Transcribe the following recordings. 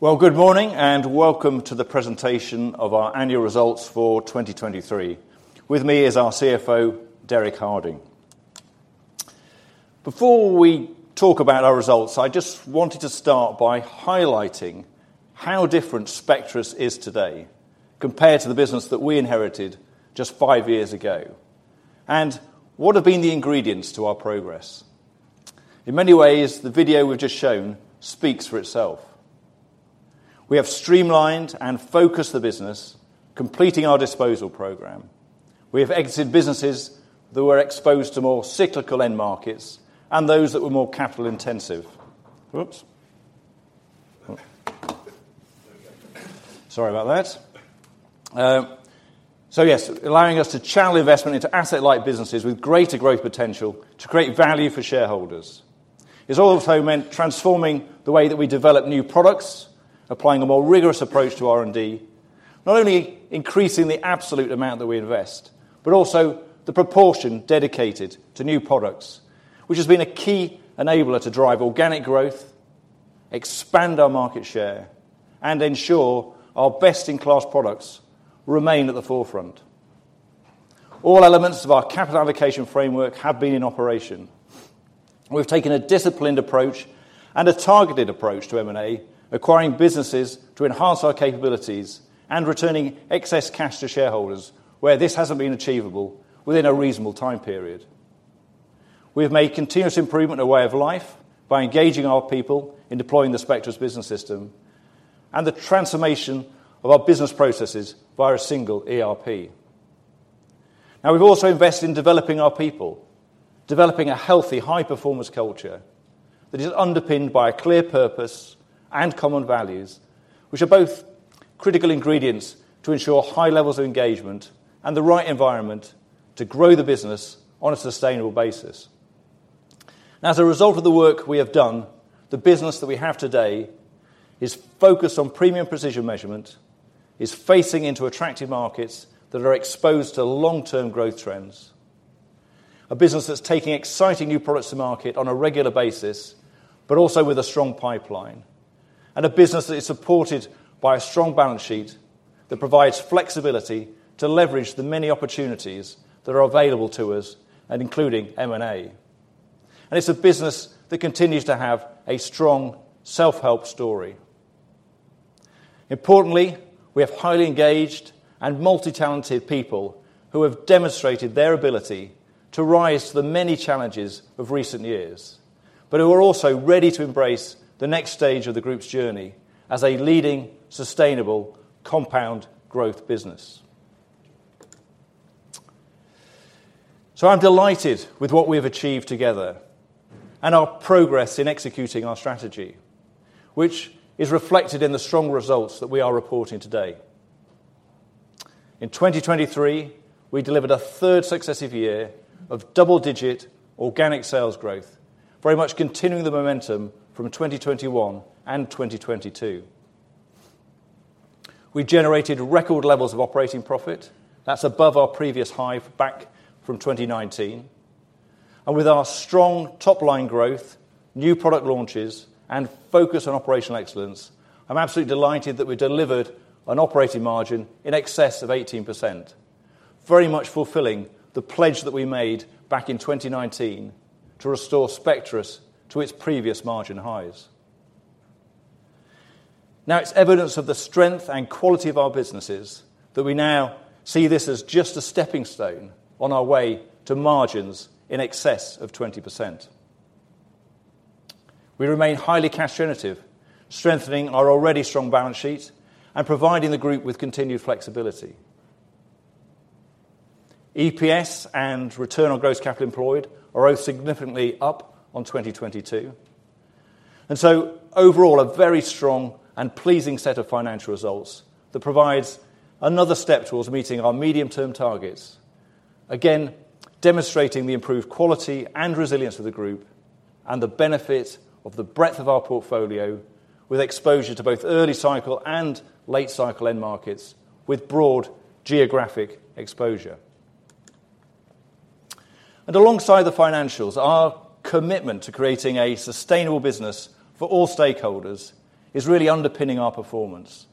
Well, good morning, and welcome to the presentation of our annual results for 2023. With me is our CFO, Derek Harding. Before we talk about our results, I just wanted to start by highlighting how different Spectris is today compared to the business that we inherited just five years ago, and what have been the ingredients to our progress. In many ways, the video we've just shown speaks for itself. We have streamlined and focused the business, completing our disposal program. We have exited businesses that were exposed to more cyclical end markets and those that were more capital intensive. Whoops! Sorry about that. So yes, allowing us to channel investment into asset-light businesses with greater growth potential to create value for shareholders. It's also meant transforming the way that we develop new products, applying a more rigorous approach to R&D, not only increasing the absolute amount that we invest, but also the proportion dedicated to new products, which has been a key enabler to drive organic growth, expand our market share, and ensure our best-in-class products remain at the forefront. All elements of our capital allocation framework have been in operation. We've taken a disciplined approach and a targeted approach to M&A, acquiring businesses to enhance our capabilities and returning excess cash to shareholders where this hasn't been achievable within a reasonable time period. We have made continuous improvement a way of life by engaging our people in deploying the Spectris Business System and the transformation of our business processes via a single ERP. Now, we've also invested in developing our people, developing a healthy, high-performance culture that is underpinned by a clear purpose and common values, which are both critical ingredients to ensure high levels of engagement and the right environment to grow the business on a sustainable basis. As a result of the work we have done, the business that we have today is focused on premium precision measurement, is facing into attractive markets that are exposed to long-term growth trends, a business that's taking exciting new products to market on a regular basis, but also with a strong pipeline, and a business that is supported by a strong balance sheet that provides flexibility to leverage the many opportunities that are available to us, and including M&A. It's a business that continues to have a strong self-help story. Importantly, we have highly engaged and multi-talented people who have demonstrated their ability to rise to the many challenges of recent years, but who are also ready to embrace the next stage of the group's journey as a leading, sustainable compound growth business. So I'm delighted with what we have achieved together and our progress in executing our strategy, which is reflected in the strong results that we are reporting today. In 2023, we delivered a third successive year of double-digit organic sales growth, very much continuing the momentum from 2021 and 2022. We generated record levels of operating profit. That's above our previous high back from 2019. With our strong top-line growth, new product launches, and focus on operational excellence, I'm absolutely delighted that we delivered an operating margin in excess of 18%, very much fulfilling the pledge that we made back in 2019 to restore Spectris to its previous margin highs. Now, it's evidence of the strength and quality of our businesses that we now see this as just a stepping stone on our way to margins in excess of 20%. We remain highly cash generative, strengthening our already strong balance sheet and providing the group with continued flexibility. EPS and Return on Gross Capital Employed are both significantly up on 2022, and so overall, a very strong and pleasing set of financial results that provides another step towards meeting our medium-term targets, again, demonstrating the improved quality and resilience of the group and the benefit of the breadth of our portfolio, with exposure to both early cycle and late cycle end markets with broad geographic exposure. And alongside the financials, our commitment to creating a sustainable business for all stakeholders is really underpinning our performance,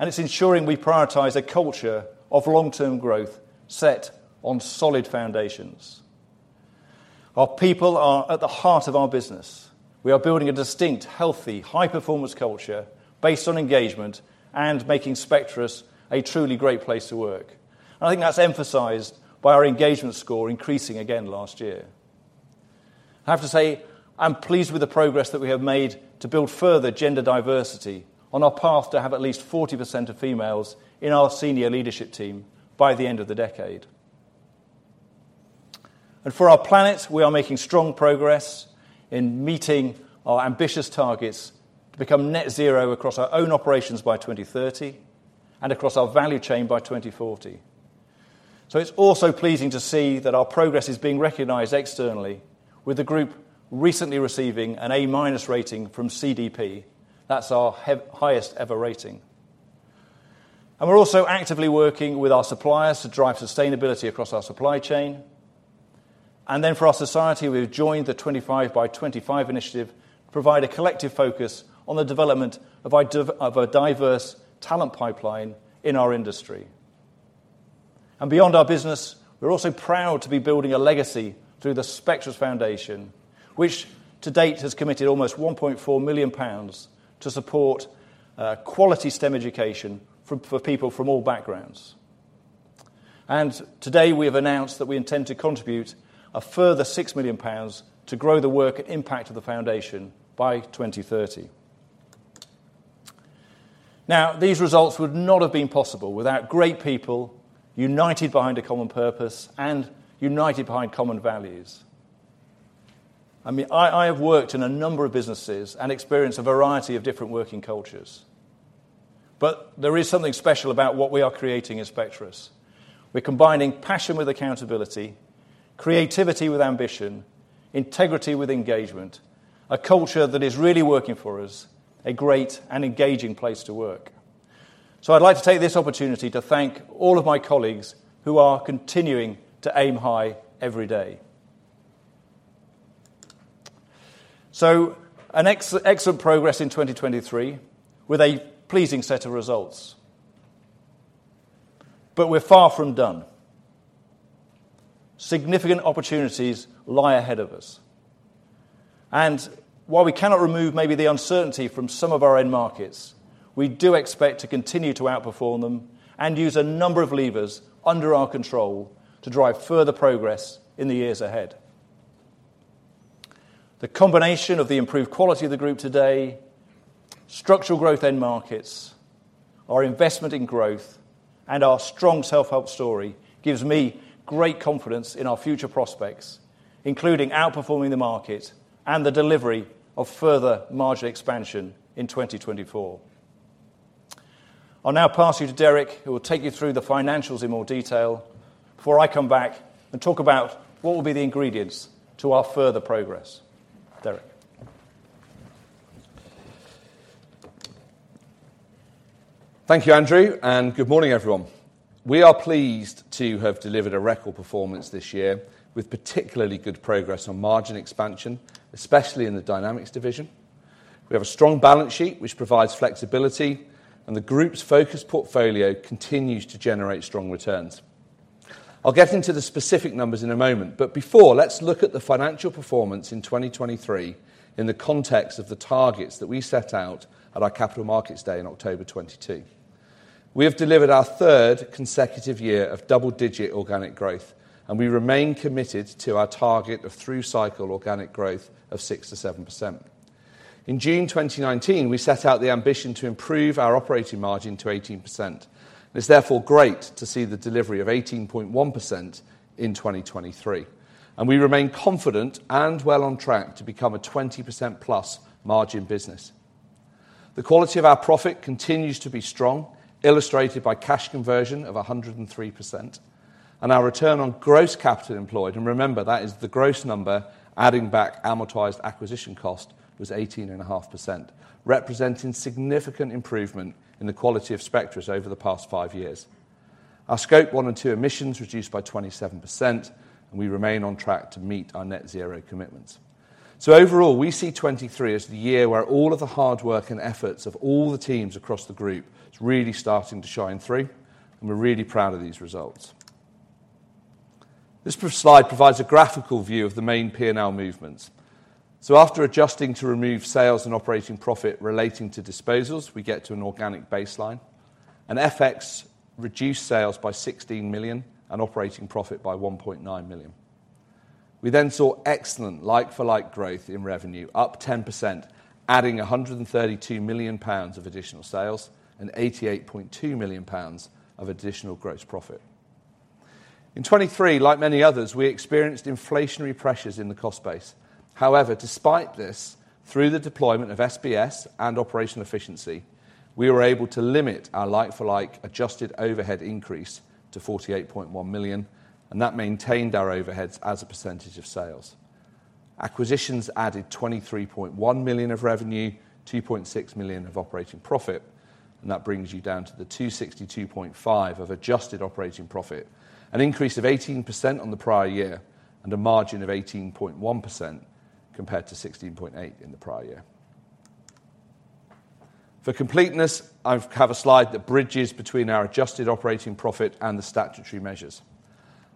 and it's ensuring we prioritize a culture of long-term growth set on solid foundations. Our people are at the heart of our business. We are building a distinct, healthy, high-performance culture based on engagement and making Spectris a truly great place to work. I think that's emphasized by our engagement score increasing again last year. I have to say, I'm pleased with the progress that we have made to build further gender diversity on our path to have at least 40% of females in our senior leadership team by the end of the decade. For our planet, we are making strong progress in meeting our ambitious targets to become Net Zero across our own operations by 2030 and across our value chain by 2040. It's also pleasing to see that our progress is being recognized externally, with the group recently receiving an A- rating from CDP. That's our highest ever rating. We're also actively working with our suppliers to drive sustainability across our supply chain. For our society, we have joined the 25x25 initiative to provide a collective focus on the development of a diverse talent pipeline in our industry. And beyond our business, we're also proud to be building a legacy through the Spectris Foundation, which to date has committed almost 1.4 million pounds to support quality STEM education for people from all backgrounds. And today, we have announced that we intend to contribute a further 6 million pounds to grow the work and impact of the foundation by 2030. Now, these results would not have been possible without great people united behind a common purpose and united behind common values. I mean, I, I have worked in a number of businesses and experienced a variety of different working cultures, but there is something special about what we are creating at Spectris. We're combining passion with accountability, creativity with ambition, integrity with engagement, a culture that is really working for us, a great and engaging place to work. So I'd like to take this opportunity to thank all of my colleagues who are continuing to aim high every day. So an excellent progress in 2023, with a pleasing set of results. But we're far from done. Significant opportunities lie ahead of us, and while we cannot remove maybe the uncertainty from some of our end markets, we do expect to continue to outperform them and use a number of levers under our control to drive further progress in the years ahead. The combination of the improved quality of the group today, structural growth end markets, our investment in growth, and our strong self-help story, gives me great confidence in our future prospects, including outperforming the market and the delivery of further margin expansion in 2024. I'll now pass you to Derek, who will take you through the financials in more detail before I come back and talk about what will be the ingredients to our further progress. Derek? Thank you, Andrew, and good morning, everyone. We are pleased to have delivered a record performance this year with particularly good progress on margin expansion, especially in the Dynamics division. We have a strong balance sheet, which provides flexibility, and the group's focused portfolio continues to generate strong returns. I'll get into the specific numbers in a moment, but before, let's look at the financial performance in 2023 in the context of the targets that we set out at our Capital Markets Day in October 2022. We have delivered our third consecutive year of double-digit organic growth, and we remain committed to our target of through-cycle organic growth of 6%-7%. In June 2019, we set out the ambition to improve our operating margin to 18%. It's therefore great to see the delivery of 18.1% in 2023, and we remain confident and well on track to become a 20%+ margin business. The quality of our profit continues to be strong, illustrated by cash conversion of 103%, and our Return on Gross Capital Employed, and remember, that is the gross number, adding back amortized acquisition cost, was 18.5%, representing significant improvement in the quality of Spectris over the past 5 years. Our Scope 1 and 2 emissions reduced by 27%, and we remain on track to meet our Net Zero commitments. So overall, we see 2023 as the year where all of the hard work and efforts of all the teams across the group is really starting to shine through, and we're really proud of these results. This slide provides a graphical view of the main P&L movements. So after adjusting to remove sales and operating profit relating to disposals, we get to an organic baseline, and FX reduced sales by 16 million and operating profit by 1.9 million. We then saw excellent like-for-like growth in revenue, up 10%, adding 132 million pounds of additional sales and 88.2 million pounds of additional gross profit. In 2023, like many others, we experienced inflationary pressures in the cost base. However, despite this, through the deployment of SBS and operational efficiency, we were able to limit our like-for-like adjusted overhead increase to 48.1 million, and that maintained our overheads as a percentage of sales. Acquisitions added 23.1 million of revenue, 2.6 million of operating profit, and that brings you down to the 262.5 million of adjusted operating profit, an increase of 18% on the prior year and a margin of 18.1% compared to 16.8% in the prior year. For completeness, I have a slide that bridges between our adjusted operating profit and the statutory measures.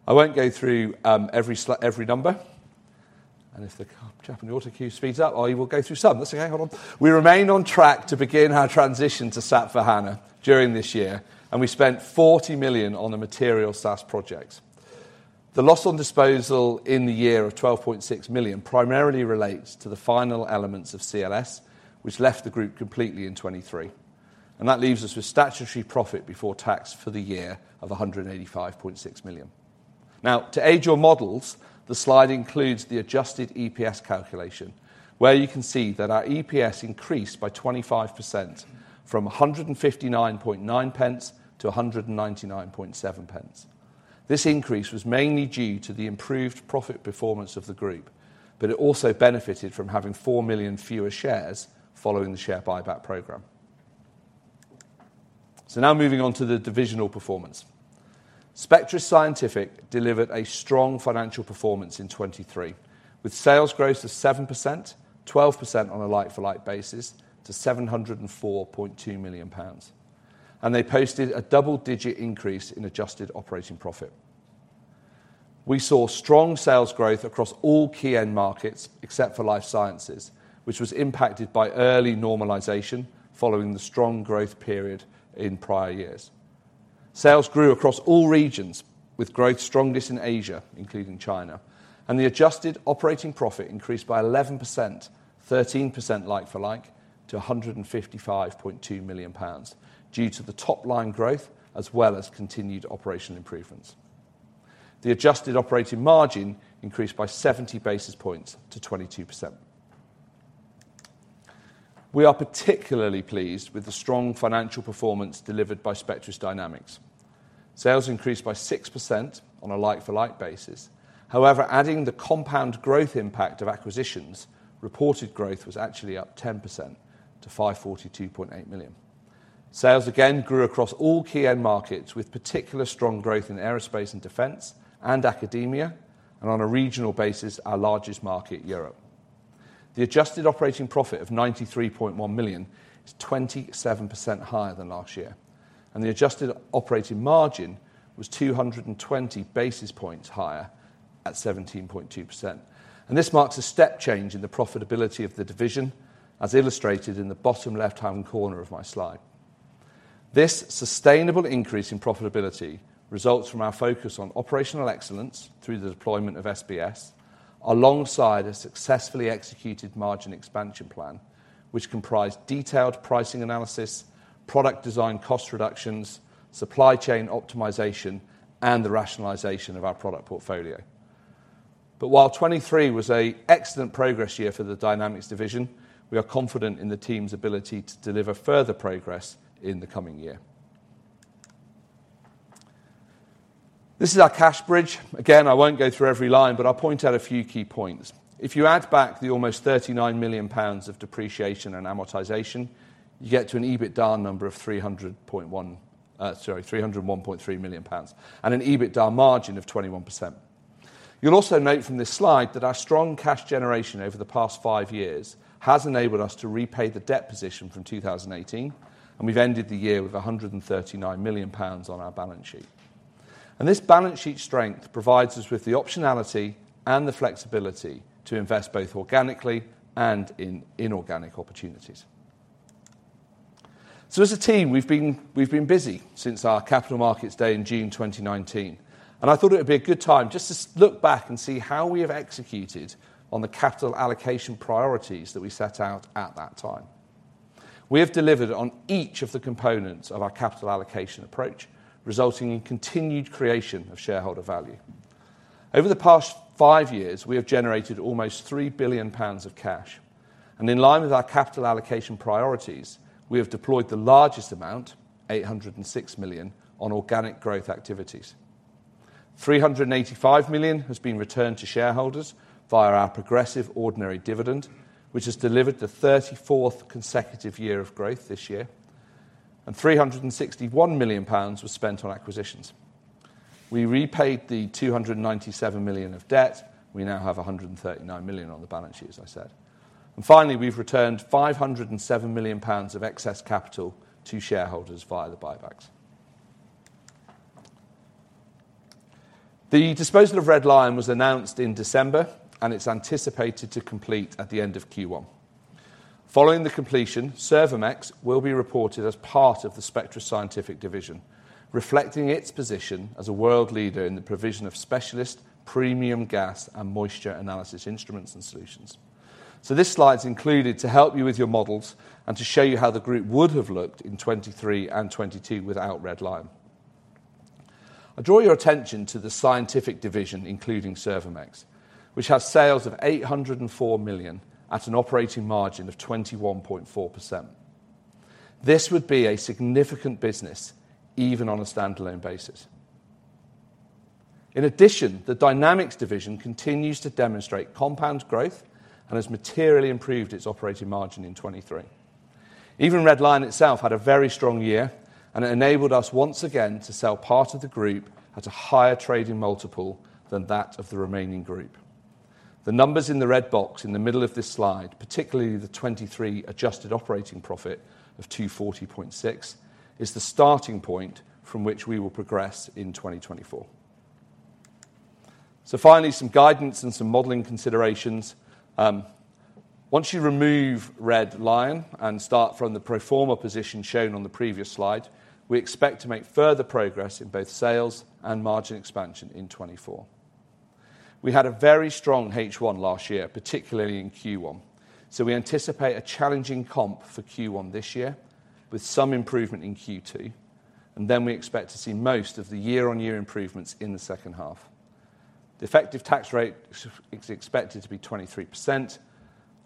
I won't go through every number, and if the chap in the autocue speeds up, I will go through some. Let's see. Hang on. We remain on track to begin our transition to SAP S/4HANA during this year, and we spent GBP 40 million on a material SaaS project. The loss on disposal in the year of GBP 12.6 million primarily relates to the final elements of CLS, which left the group completely in 2023, and that leaves us with statutory profit before tax for the year of 185.6 million. Now, to aid your models, the slide includes the adjusted EPS calculation, where you can see that our EPS increased by 25% from 1.599 to 1.997. This increase was mainly due to the improved profit performance of the group, but it also benefited from having 4 million fewer shares following the share buyback program. So now moving on to the divisional performance. Spectris Scientific delivered a strong financial performance in 2023, with sales growth of 7%, 12% on a like-for-like basis, to 704.2 million pounds. They posted a double-digit increase in adjusted operating profit. We saw strong sales growth across all key end markets, except for life sciences, which was impacted by early normalization following the strong growth period in prior years. Sales grew across all regions, with growth strongest in Asia, including China, and the adjusted operating profit increased by 11%, 13% like-for-like, to 155.2 million pounds, due to the top line growth as well as continued operational improvements. The adjusted operating margin increased by 70 basis points to 22%. We are particularly pleased with the strong financial performance delivered by Spectris Dynamics. Sales increased by 6% on a like-for-like basis. However, adding the compound growth impact of acquisitions, reported growth was actually up 10% to 542.8 million. Sales again grew across all key end markets, with particularly strong growth in aerospace and defense and academia, and on a regional basis, our largest market, Europe. The adjusted operating profit of 93.1 million is 27% higher than last year, and the adjusted operating margin was 220 basis points higher at 17.2%. This marks a step change in the profitability of the division, as illustrated in the bottom left-hand corner of my slide. This sustainable increase in profitability results from our focus on operational excellence through the deployment of SBS, alongside a successfully executed margin expansion plan, which comprised detailed pricing analysis, product design cost reductions, supply chain optimization, and the rationalization of our product portfolio. But while 2023 was an excellent progress year for the Dynamics division, we are confident in the team's ability to deliver further progress in the coming year. This is our cash bridge. Again, I won't go through every line, but I'll point out a few key points. If you add back the almost 39 million pounds of depreciation and amortization, you get to an EBITDA number of three hundred point one... sorry, 301.3 million pounds, and an EBITDA margin of 21%. You'll also note from this slide that our strong cash generation over the past five years has enabled us to repay the debt position from 2018, and we've ended the year with 139 million pounds on our balance sheet. This balance sheet strength provides us with the optionality and the flexibility to invest both organically and in inorganic opportunities. As a team, we've been busy since our Capital Markets Day in June 2019, and I thought it would be a good time just to look back and see how we have executed on the capital allocation priorities that we set out at that time. We have delivered on each of the components of our capital allocation approach, resulting in continued creation of shareholder value. Over the past five years, we have generated almost 3 billion pounds of cash, and in line with our capital allocation priorities, we have deployed the largest amount, 806 million, on organic growth activities. 385 million has been returned to shareholders via our progressive ordinary dividend, which has delivered the 34th consecutive year of growth this year, and 361 million pounds was spent on acquisitions. We repaid the 297 million of debt. We now have 139 million on the balance sheet, as I said. Finally, we've returned 507 million pounds of excess capital to shareholders via the buybacks. The disposal of Red Lion was announced in December, and it's anticipated to complete at the end of Q1. Following the completion, Servomex will be reported as part of the Spectris Scientific division, reflecting its position as a world leader in the provision of specialist premium gas and moisture analysis instruments and solutions. This slide is included to help you with your models and to show you how the group would have looked in 2023 and 2022 without Red Lion. I draw your attention to the Scientific division, including Servomex, which has sales of 804 million at an operating margin of 21.4%. This would be a significant business, even on a standalone basis. In addition, the Dynamics division continues to demonstrate compound growth and has materially improved its operating margin in 2023. Even Red Lion itself had a very strong year, and it enabled us once again to sell part of the group at a higher trading multiple than that of the remaining group. The numbers in the red box in the middle of this slide, particularly the 2023 adjusted operating profit of 240.6 million, is the starting point from which we will progress in 2024. So finally, some guidance and some modeling considerations. Once you remove Red Lion and start from the pro forma position shown on the previous slide, we expect to make further progress in both sales and margin expansion in 2024. We had a very strong H1 last year, particularly in Q1, so we anticipate a challenging comp for Q1 this year, with some improvement in Q2, and then we expect to see most of the year-on-year improvements in the second half. The effective tax rate is expected to be 23%,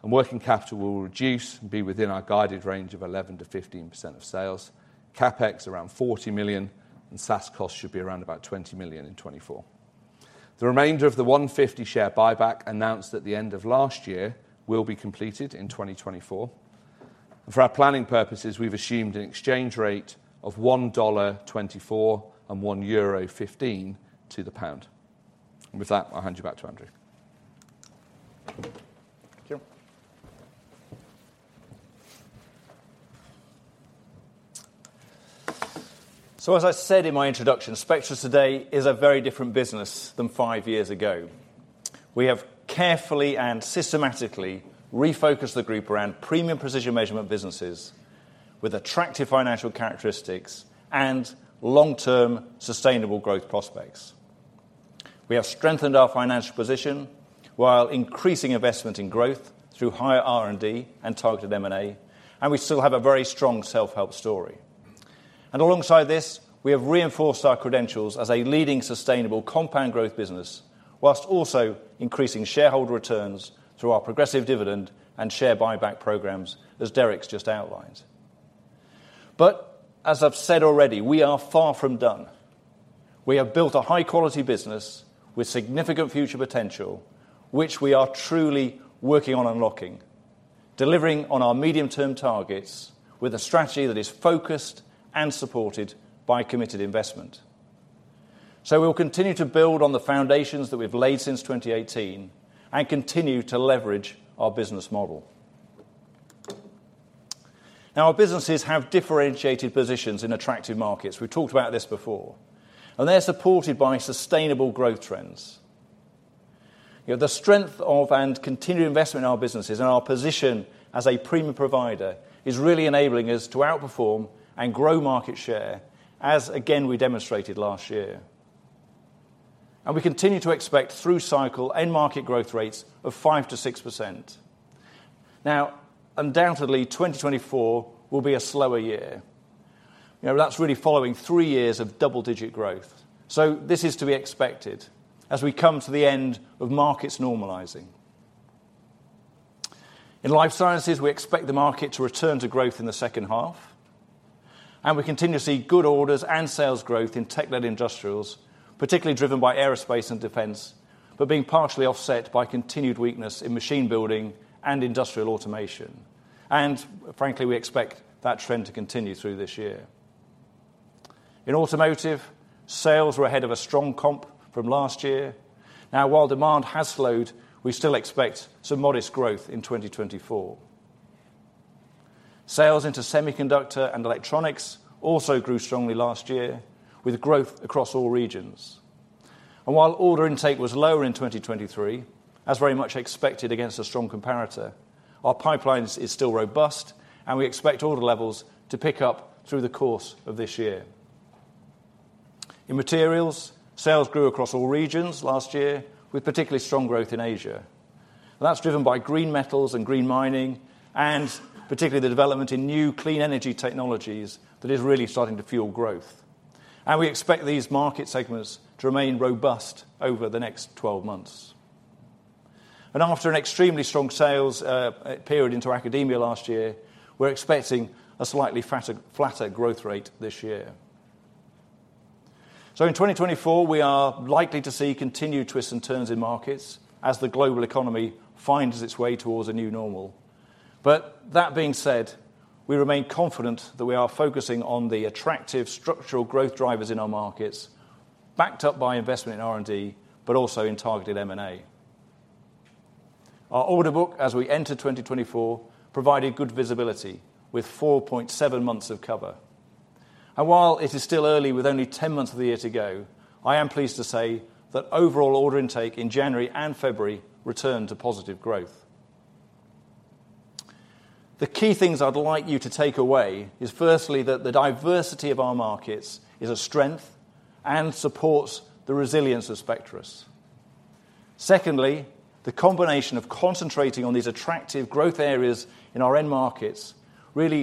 and working capital will reduce and be within our guided range of 11%-15% of sales. CapEx around 40 million, and SaaS costs should be around about 20 million in 2024. The remainder of the 150 million share buyback announced at the end of last year will be completed in 2024. For our planning purposes, we've assumed an exchange rate of $1.24 and 1.15 euro to the pound. With that, I'll hand you back to Andrew. Thank you. So as I said in my introduction, Spectris today is a very different business than five years ago. We have carefully and systematically refocused the group around premium precision measurement businesses with attractive financial characteristics and long-term sustainable growth prospects. We have strengthened our financial position while increasing investment in growth through higher R&D and targeted M&A, and we still have a very strong self-help story. And alongside this, we have reinforced our credentials as a leading sustainable compound growth business, while also increasing shareholder returns through our progressive dividend and share buyback programs, as Derek's just outlined. But as I've said already, we are far from done. We have built a high-quality business with significant future potential, which we are truly working on unlocking, delivering on our medium-term targets with a strategy that is focused and supported by committed investment. So we will continue to build on the foundations that we've laid since 2018 and continue to leverage our business model. Now, our businesses have differentiated positions in attractive markets. We've talked about this before, and they're supported by sustainable growth trends. You know, the strength of and continued investment in our businesses and our position as a premium provider is really enabling us to outperform and grow market share, as again, we demonstrated last year. And we continue to expect through-cycle end market growth rates of 5%-6%. Now, undoubtedly, 2024 will be a slower year. You know, that's really following three years of double-digit growth, so this is to be expected as we come to the end of markets normalizing. In life sciences, we expect the market to return to growth in the second half, and we continue to see good orders and sales growth in tech-led industrials, particularly driven by aerospace and defense, but being partially offset by continued weakness in machine building and industrial automation. And frankly, we expect that trend to continue through this year. In automotive, sales were ahead of a strong comp from last year. Now, while demand has slowed, we still expect some modest growth in 2024. Sales into semiconductor and electronics also grew strongly last year, with growth across all regions. And while order intake was lower in 2023, as very much expected against a strong comparator, our pipelines is still robust, and we expect order levels to pick up through the course of this year. In materials, sales grew across all regions last year, with particularly strong growth in Asia. That's driven by green metals and green mining, and particularly the development in new clean energy technologies that is really starting to fuel growth. We expect these market segments to remain robust over the next 12 months. After an extremely strong sales period into academia last year, we're expecting a slightly flatter growth rate this year. In 2024, we are likely to see continued twists and turns in markets as the global economy finds its way towards a new normal. But that being said, we remain confident that we are focusing on the attractive structural growth drivers in our markets, backed up by investment in R&D, but also in targeted M&A. Our order book, as we enter 2024, provided good visibility with 4.7 months of cover. While it is still early, with only 10 months of the year to go, I am pleased to say that overall order intake in January and February returned to positive growth. The key things I'd like you to take away is, firstly, that the diversity of our markets is a strength and supports the resilience of Spectris. Secondly, the combination of concentrating on these attractive growth areas in our end markets, really,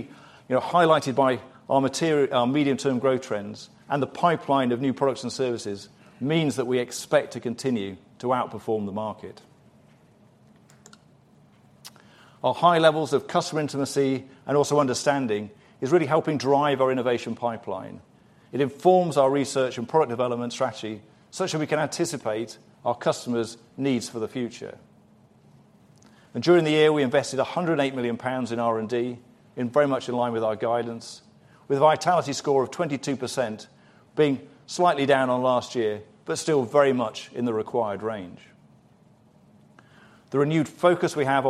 you know, highlighted by our medium-term growth trends and the pipeline of new products and services, means that we expect to continue to outperform the market. Our high levels of customer intimacy and also understanding is really helping drive our innovation pipeline. It informs our research and product development strategy such that we can anticipate our customers' needs for the future. During the year, we invested 108 million pounds in R&D, very much in line with our guidance, with a vitality score of 22% being slightly down on last year, but still very much in the required range. The renewed focus we have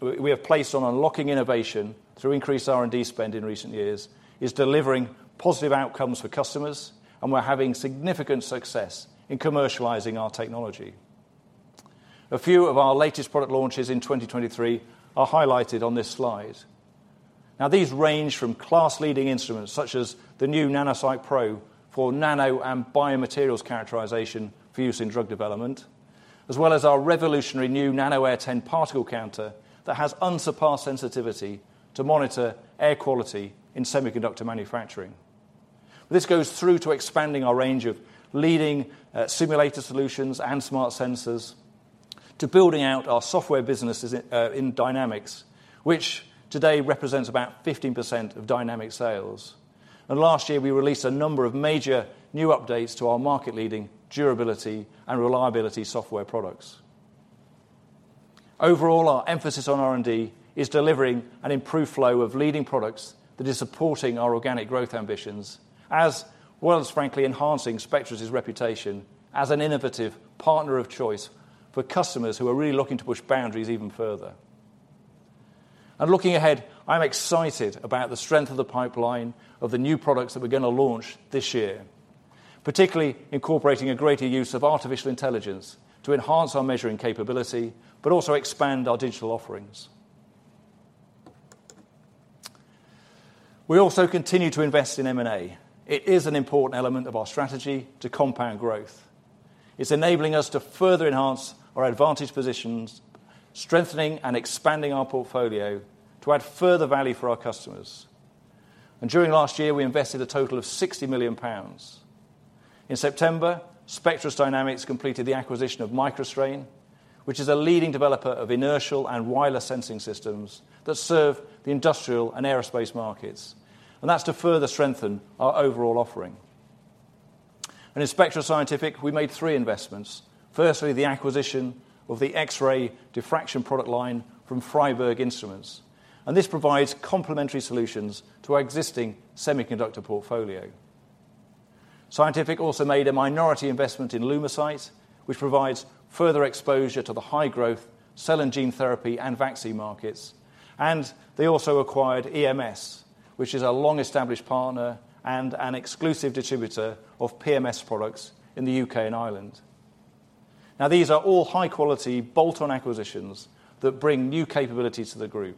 placed on unlocking innovation through increased R&D spend in recent years is delivering positive outcomes for customers, and we're having significant success in commercializing our technology. A few of our latest product launches in 2023 are highlighted on this slide. Now, these range from class-leading instruments, such as the new NanoSight Pro for nano and biomaterials characterization for use in drug development, as well as our revolutionary new NanoAir 10 particle counter that has unsurpassed sensitivity to monitor air quality in semiconductor manufacturing. This goes through to expanding our range of leading simulator solutions and smart sensors, to building out our software businesses in, in Dynamics, which today represents about 15% of Dynamics sales. Last year, we released a number of major new updates to our market-leading durability and reliability software products. Overall, our emphasis on R&D is delivering an improved flow of leading products that is supporting our organic growth ambitions, as well as, frankly, enhancing Spectris' reputation as an innovative partner of choice for customers who are really looking to push boundaries even further. Looking ahead, I'm excited about the strength of the pipeline of the new products that we're gonna launch this year, particularly incorporating a greater use of artificial intelligence to enhance our measuring capability, but also expand our digital offerings. We also continue to invest in M&A. It is an important element of our strategy to compound growth. It's enabling us to further enhance our advantage positions, strengthening and expanding our portfolio to add further value for our customers. During last year, we invested a total of 60 million pounds. In September, Spectris Dynamics completed the acquisition of MicroStrain, which is a leading developer of inertial and wireless sensing systems that serve the industrial and aerospace markets, and that's to further strengthen our overall offering. In Spectris Scientific, we made three investments. Firstly, the acquisition of the X-ray diffraction product line from Freiberg Instruments, and this provides complementary solutions to our existing semiconductor portfolio. Scientific also made a minority investment in LumaCyte, which provides further exposure to the high-growth cell and gene therapy and vaccine markets, and they also acquired EMS, which is a long-established partner and an exclusive distributor of PMS products in the UK and Ireland. Now, these are all high-quality, bolt-on acquisitions that bring new capabilities to the group.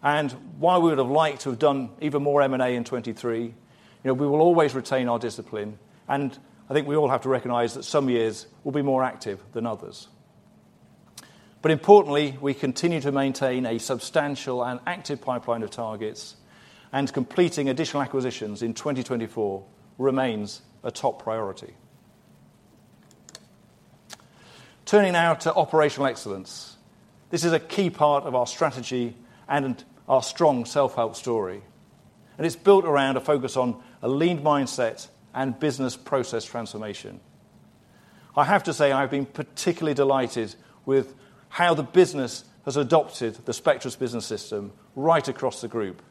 While we would have liked to have done even more M&A in 2023, you know, we will always retain our discipline, and I think we all have to recognize that some years will be more active than others. But importantly, we continue to maintain a substantial and active pipeline of targets, and completing additional acquisitions in 2024 remains a top priority. Turning now to operational excellence. This is a key part of our strategy and our strong self-help story, and it's built around a focus on a lean mindset and business process transformation. I have to say, I've been particularly delighted with how the business has adopted the Spectris Business System right across the group,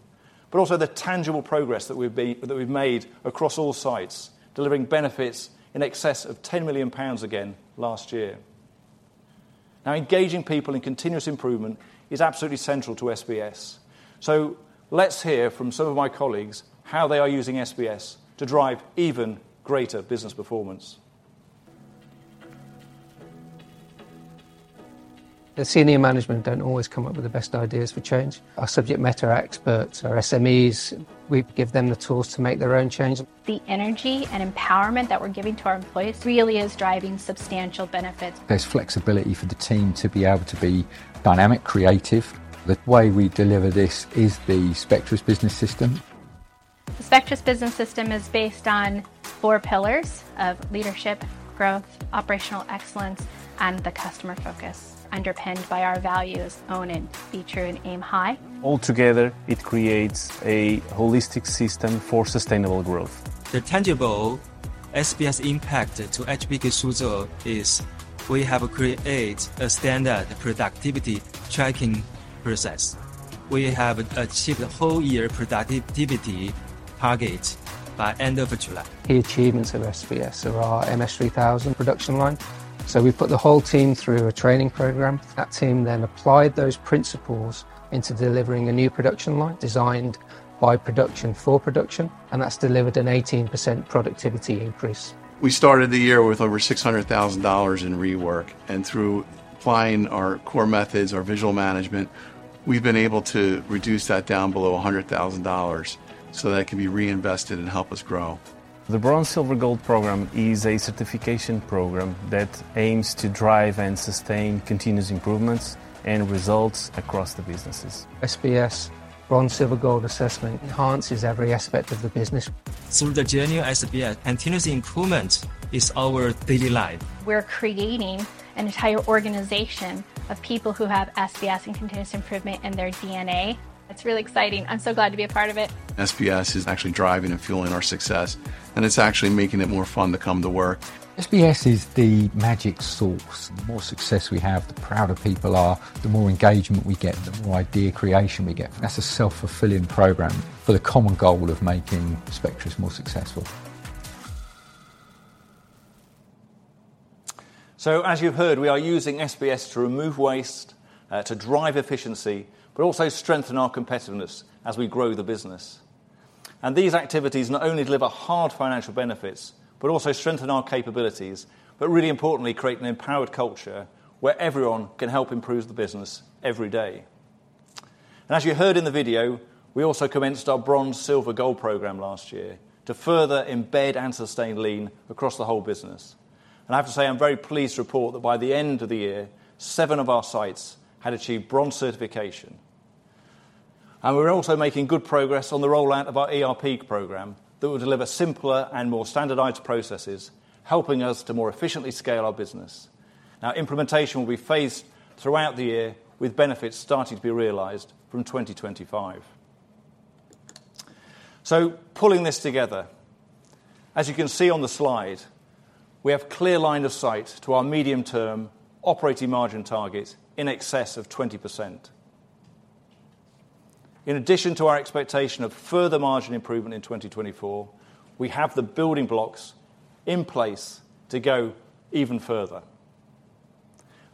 but also the tangible progress that we've made across all sites, delivering benefits in excess of 10 million pounds again last year. Now, engaging people in continuous improvement is absolutely central to SBS, so let's hear from some of my colleagues how they are using SBS to drive even greater business performance. The senior management don't always come up with the best ideas for change. Our subject matter experts, our SMEs, we give them the tools to make their own change. The energy and empowerment that we're giving to our employees really is driving substantial benefits. There's flexibility for the team to be able to be dynamic, creative. The way we deliver this is the Spectris Business System. The Spectris Business System is based on four pillars of leadership, growth, operational excellence, and the customer focus, underpinned by our values, own it, be true, and aim high. Altogether, it creates a holistic system for sustainable growth. The tangible SBS impact to HBK Suzhou is we have created a standard productivity tracking process. We have achieved a whole year productivity target by end of July. The achievements of SBS are our MS3000 production line. We put the whole team through a training program. That team then applied those principles into delivering a new production line designed by production for production, and that's delivered an 18% productivity increase. We started the year with over $600,000 in rework, and through applying our core methods, our visual management, we've been able to reduce that down below $100,000, so that can be reinvested and help us grow. The Bronze, Silver, Gold Program is a certification program that aims to drive and sustain continuous improvements and results across the businesses. SBS Bronze, Silver, Gold assessment enhances every aspect of the business. Through the journey of SBS, continuous improvement is our daily life. We're creating an entire organization of people who have SBS and continuous improvement in their DNA. It's really exciting. I'm so glad to be a part of it. SBS is actually driving and fueling our success, and it's actually making it more fun to come to work. SBS is the magic source. The more success we have, the prouder people are, the more engagement we get, the more idea creation we get. That's a self-fulfilling program for the common goal of making Spectris more successful. So, as you've heard, we are using SBS to remove waste to drive efficiency, but also strengthen our competitiveness as we grow the business. These activities not only deliver hard financial benefits, but also strengthen our capabilities, but really importantly, create an empowered culture where everyone can help improve the business every day. As you heard in the video, we also commenced our Bronze, Silver, Gold Program last year to further embed and sustain lean across the whole business. I have to say, I'm very pleased to report that by the end of the year, seven of our sites had achieved Bronze certification. We're also making good progress on the rollout of our ERP program that will deliver simpler and more standardized processes, helping us to more efficiently scale our business. Now, implementation will be phased throughout the year, with benefits starting to be realized from 2025. So pulling this together, as you can see on the slide, we have clear line of sight to our medium-term operating margin target in excess of 20%. In addition to our expectation of further margin improvement in 2024, we have the building blocks in place to go even further.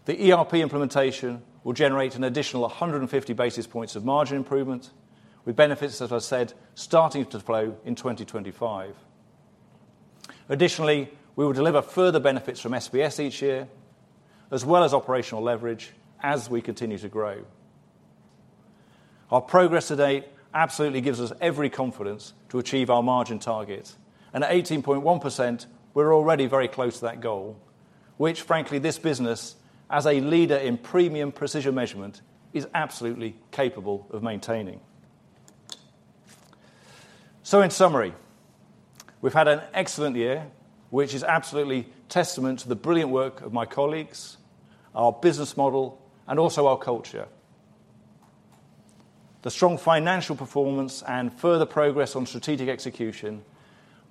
The ERP implementation will generate an additional 150 basis points of margin improvement, with benefits, as I said, starting to flow in 2025. Additionally, we will deliver further benefits from SBS each year, as well as operational leverage as we continue to grow. Our progress to date absolutely gives us every confidence to achieve our margin target, and at 18.1%, we're already very close to that goal, which, frankly, this business, as a leader in premium precision measurement, is absolutely capable of maintaining. So in summary, we've had an excellent year, which is absolutely testament to the brilliant work of my colleagues, our business model, and also our culture. The strong financial performance and further progress on strategic execution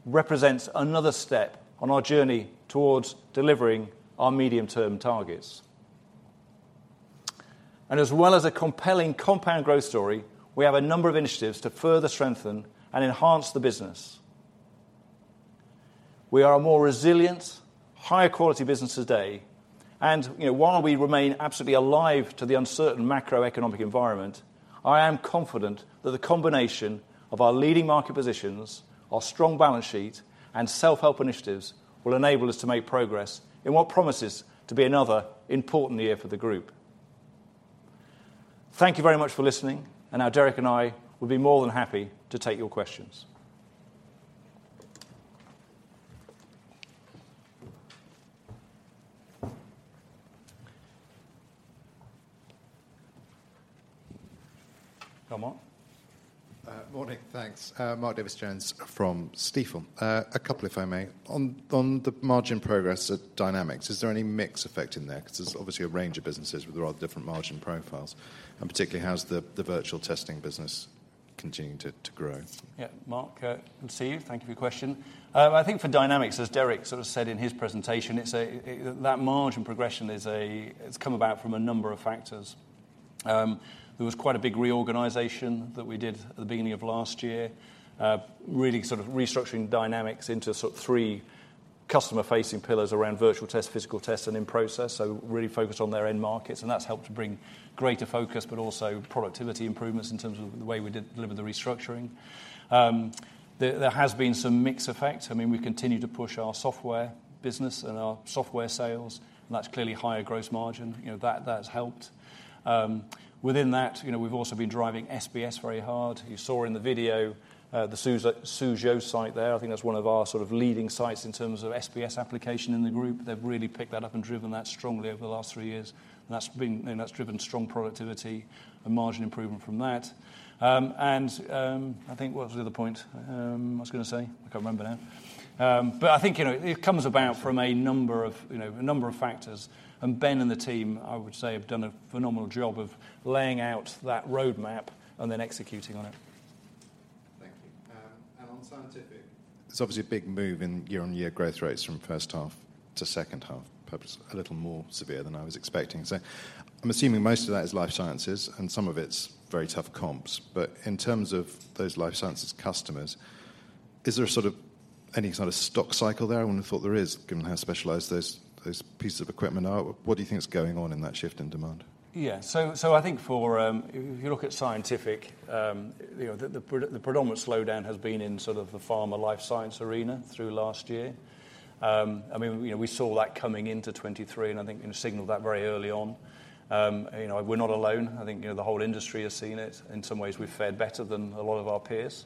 represents another step on our journey towards delivering our medium-term targets. And as well as a compelling compound growth story, we have a number of initiatives to further strengthen and enhance the business. We are a more resilient, higher quality business today, and, you know, while we remain absolutely alive to the uncertain macroeconomic environment, I am confident that the combination of our leading market positions, our strong balance sheet, and self-help initiatives will enable us to make progress in what promises to be another important year for the group. Thank you very much for listening, and now Derek and I will be more than happy to take your questions. Mark? Morning. Thanks. Mark Davies Jones from Stifel. A couple, if I may. On the margin progress at Dynamics, is there any mix effect in there? Because there's obviously a range of businesses with rather different margin profiles, and particularly, how's the virtual testing business continuing to grow? Yeah, Mark, good to see you. Thank you for your question. I think for Dynamics, as Derek sort of said in his presentation, it's a, that margin progression is a... It's come about from a number of factors. There was quite a big reorganization that we did at the beginning of last year, really sort of restructuring Dynamics into sort of three customer-facing pillars around virtual test, physical test, and in-process, so really focused on their end markets, and that's helped to bring greater focus, but also productivity improvements in terms of the way we did deliver the restructuring. There has been some mix effect. I mean, we continue to push our software business and our software sales, and that's clearly higher gross margin. You know, that, that's helped. Within that, you know, we've also been driving SBS very hard. You saw in the video the Suzhou site there. I think that's one of our sort of leading sites in terms of SBS application in the group. They've really picked that up and driven that strongly over the last three years, and that's been, and that's driven strong productivity and margin improvement from that. I think, what was the other point I was gonna say? I can't remember now. But I think, you know, it comes about from a number of, you know, a number of factors, and Ben and the team, I would say, have done a phenomenal job of laying out that roadmap and then executing on it. Thank you. And on Scientific, there's obviously a big move in year-over-year growth rates from first half to second half, perhaps a little more severe than I was expecting. So I'm assuming most of that is life sciences, and some of it's very tough comps. But in terms of those life sciences customers, is there a sort of, any sort of stock cycle there? I wouldn't have thought there is, given how specialized those pieces of equipment are. What do you think is going on in that shift in demand? Yeah. So I think, if you look at Scientific, you know, the predominant slowdown has been in sort of the pharma life science arena through last year. I mean, you know, we saw that coming into 2023, and I think, you know, signaled that very early on. You know, we're not alone. I think, you know, the whole industry has seen it. In some ways, we've fared better than a lot of our peers.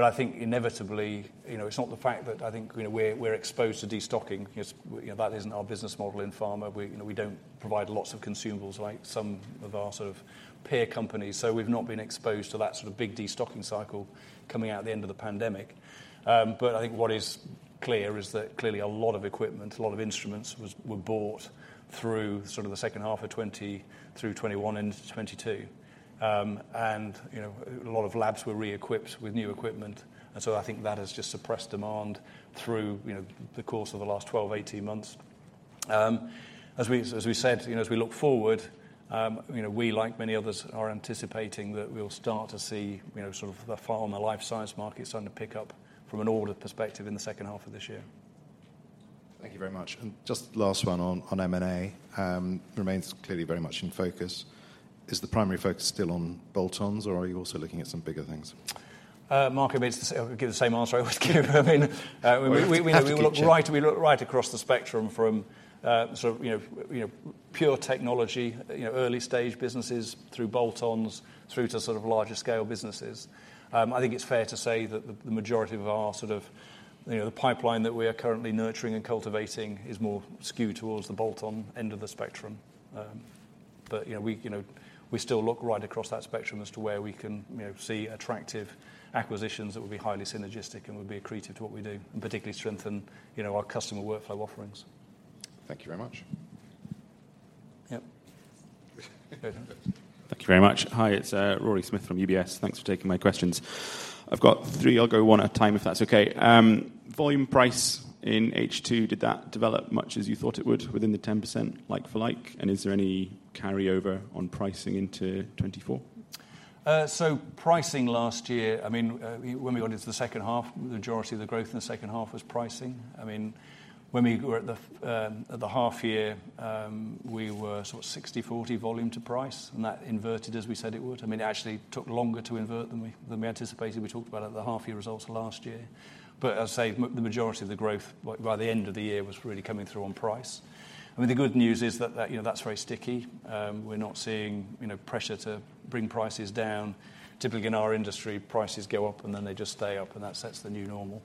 But I think inevitably, you know, it's not the fact that I think, you know, we're exposed to destocking. You know, that isn't our business model in pharma. We, you know, we don't provide lots of consumables like some of our sort of peer companies, so we've not been exposed to that sort of big destocking cycle coming out at the end of the pandemic. But I think what is clear is that clearly a lot of equipment, a lot of instruments were bought through sort of the second half of 2020, through 2021 into 2022. And, you know, a lot of labs were reequipped with new equipment, and so I think that has just suppressed demand through, you know, the course of the last 12, 18 months. As we, as we said, you know, as we look forward, you know, we, like many others, are anticipating that we'll start to see, you know, sort of the pharma life science market starting to pick up from an order perspective in the second half of this year. Thank you very much. And just last one on M&A remains clearly very much in focus. Is the primary focus still on bolt-ons, or are you also looking at some bigger things? Mark, I may give the same answer I always give. I mean, we know- Have a picture. We look right across the spectrum from sort of, you know, pure technology, you know, early-stage businesses, through bolt-ons, through to sort of larger-scale businesses. I think it's fair to say that the majority of our sort of, you know, the pipeline that we are currently nurturing and cultivating is more skewed towards the bolt-on end of the spectrum.... but, you know, we, you know, we still look right across that spectrum as to where we can, you know, see attractive acquisitions that would be highly synergistic and would be accretive to what we do, and particularly strengthen, you know, our customer workflow offerings. Thank you very much. Yep. Thank you very much. Hi, it's Rory Smith from UBS. Thanks for taking my questions. I've got three. I'll go one at a time, if that's okay. Volume price in H2, did that develop much as you thought it would within the 10% like for like? And is there any carryover on pricing into 2024? So pricing last year, I mean, when we got into the second half, the majority of the growth in the second half was pricing. I mean, when we were at the half year, we were sort of 60/40 volume to price, and that inverted as we said it would. I mean, it actually took longer to invert than we anticipated. We talked about it at the half-year results last year. But as I say, the majority of the growth by the end of the year was really coming through on price. I mean, the good news is that, you know, that's very sticky. We're not seeing, you know, pressure to bring prices down. Typically, in our industry, prices go up, and then they just stay up, and that sets the new normal.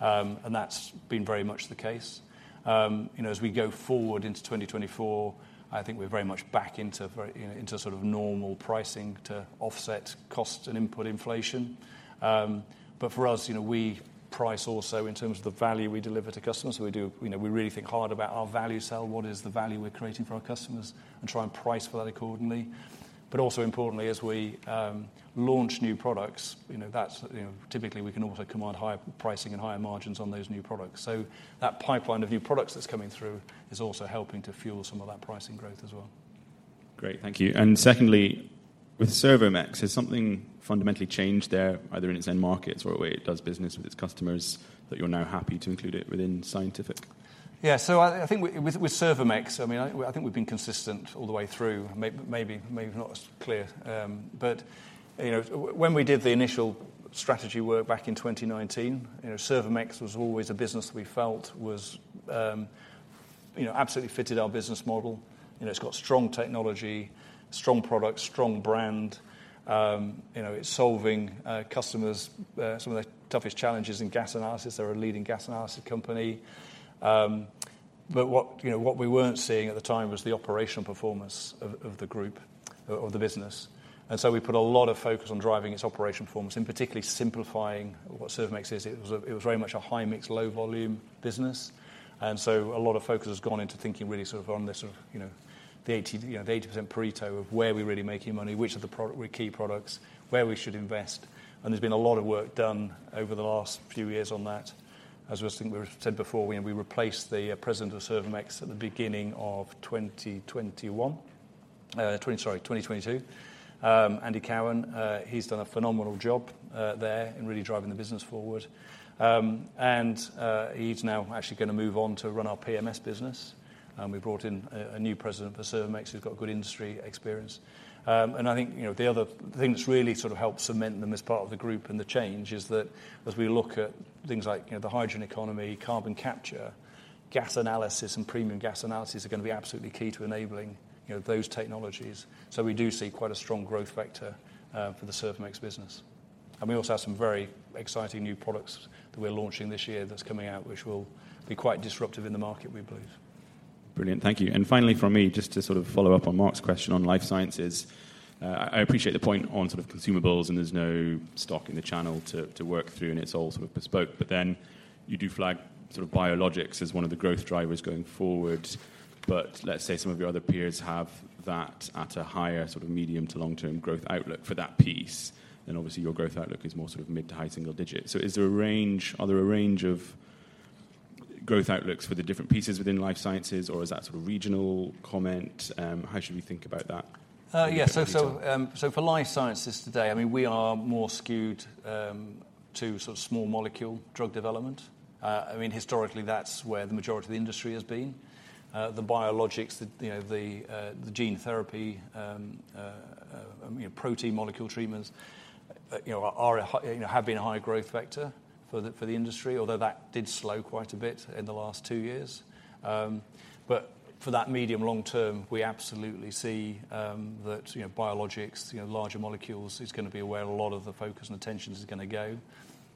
And that's been very much the case. You know, as we go forward into 2024, I think we're very much back into very, you know, into sort of normal pricing to offset cost and input inflation. But for us, you know, we price also in terms of the value we deliver to customers. So we do... You know, we really think hard about our value sell, what is the value we're creating for our customers, and try and price for that accordingly. But also importantly, as we, launch new products, you know, that's, you know, typically we can also command higher pricing and higher margins on those new products. So that pipeline of new products that's coming through is also helping to fuel some of that pricing growth as well. Great, thank you. Secondly, with Servomex, has something fundamentally changed there, either in its end markets or the way it does business with its customers, that you're now happy to include it within Scientific? Yeah, so I think with Servomex, I mean, I think we've been consistent all the way through. Maybe, maybe not as clear, but, you know, when we did the initial strategy work back in 2019, you know, Servomex was always a business we felt was, you know, absolutely fitted our business model. You know, it's got strong technology, strong products, strong brand. You know, it's solving customers some of the toughest challenges in gas analysis. They're a leading gas analysis company. But what, you know, what we weren't seeing at the time was the operational performance of the business. And so we put a lot of focus on driving its operational performance, and particularly simplifying what Servomex is. It was very much a high-mix, low-volume business, and so a lot of focus has gone into thinking really sort of on the sort of, you know, the 80%, you know, the 80% Pareto of where we're really making money, which are the key products, where we should invest, and there's been a lot of work done over the last few years on that. As was said before, we replaced the president of Servomex at the beginning of 2022. Andy Cowan, he's done a phenomenal job there in really driving the business forward. And he's now actually gonna move on to run our PMS business, and we brought in a new president for Servomex who's got good industry experience. And I think, you know, the other thing that's really sort of helped cement them as part of the group and the change is that as we look at things like, you know, the hydrogen economy, carbon capture, gas analysis and premium gas analysis are gonna be absolutely key to enabling, you know, those technologies. So we do see quite a strong growth vector for the Servomex business. And we also have some very exciting new products that we're launching this year that's coming out, which will be quite disruptive in the market, we believe. Brilliant. Thank you. Finally, from me, just to sort of follow up on Mark's question on life sciences, I appreciate the point on sort of consumables, and there's no stock in the channel to work through, and it's all sort of bespoke. But then you do flag sort of biologics as one of the growth drivers going forward. But let's say some of your other peers have that at a higher sort of medium- to long-term growth outlook for that piece, then obviously, your growth outlook is more sort of mid- to high single digits. So, are there a range of growth outlooks for the different pieces within life sciences, or is that sort of regional comment? How should we think about that? Yeah, so for life sciences today, I mean, we are more skewed to sort of small molecule drug development. I mean, historically, that's where the majority of the industry has been. The biologics, the, you know, the gene therapy, you know, protein molecule treatments, you know, are a high, you know, have been a high growth vector for the, for the industry, although that did slow quite a bit in the last two years. But for that medium long term, we absolutely see that, you know, biologics, you know, larger molecules, is gonna be where a lot of the focus and attention is gonna go.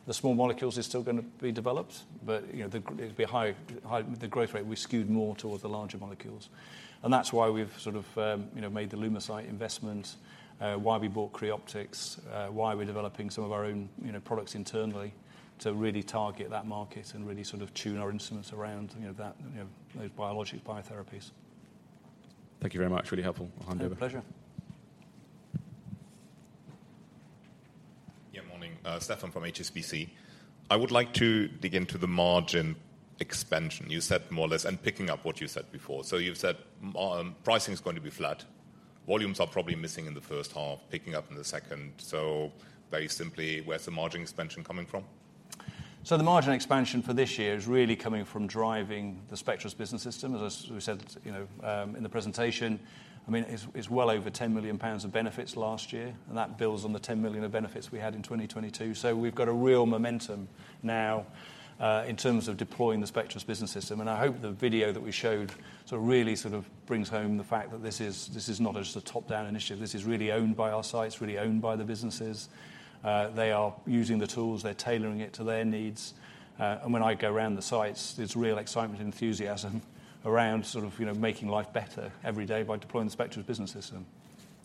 The small molecules are still gonna be developed, but, you know, the, it'll be a high, high. The growth rate will be skewed more towards the larger molecules. And that's why we've sort of, you know, made the LumaCyte investment, why we bought Creoptix, why we're developing some of our own, you know, products internally to really target that market and really sort of tune our instruments around, you know, that, you know, those biologic biotherapies. Thank you very much. Really helpful. I'll hand over. Pleasure. Yeah, morning. Stephan from HSBC. I would like to dig into the margin expansion. You said more or less, and picking up what you said before. So you've said, pricing is going to be flat. Volumes are probably missing in the first half, picking up in the second. So very simply, where's the margin expansion coming from? So the margin expansion for this year is really coming from driving the Spectris Business System, as we said, you know, in the presentation. I mean, it's well over 10 million pounds of benefits last year, and that builds on the 10 million of benefits we had in 2022. So we've got a real momentum now, in terms of deploying the Spectris Business System. And I hope the video that we showed sort of really brings home the fact that this is not just a top-down initiative. This is really owned by our sites, really owned by the businesses. They are using the tools, they're tailoring it to their needs. And when I go around the sites, there's real excitement and enthusiasm around sort of, you know, making life better every day by deploying the Spectris Business System.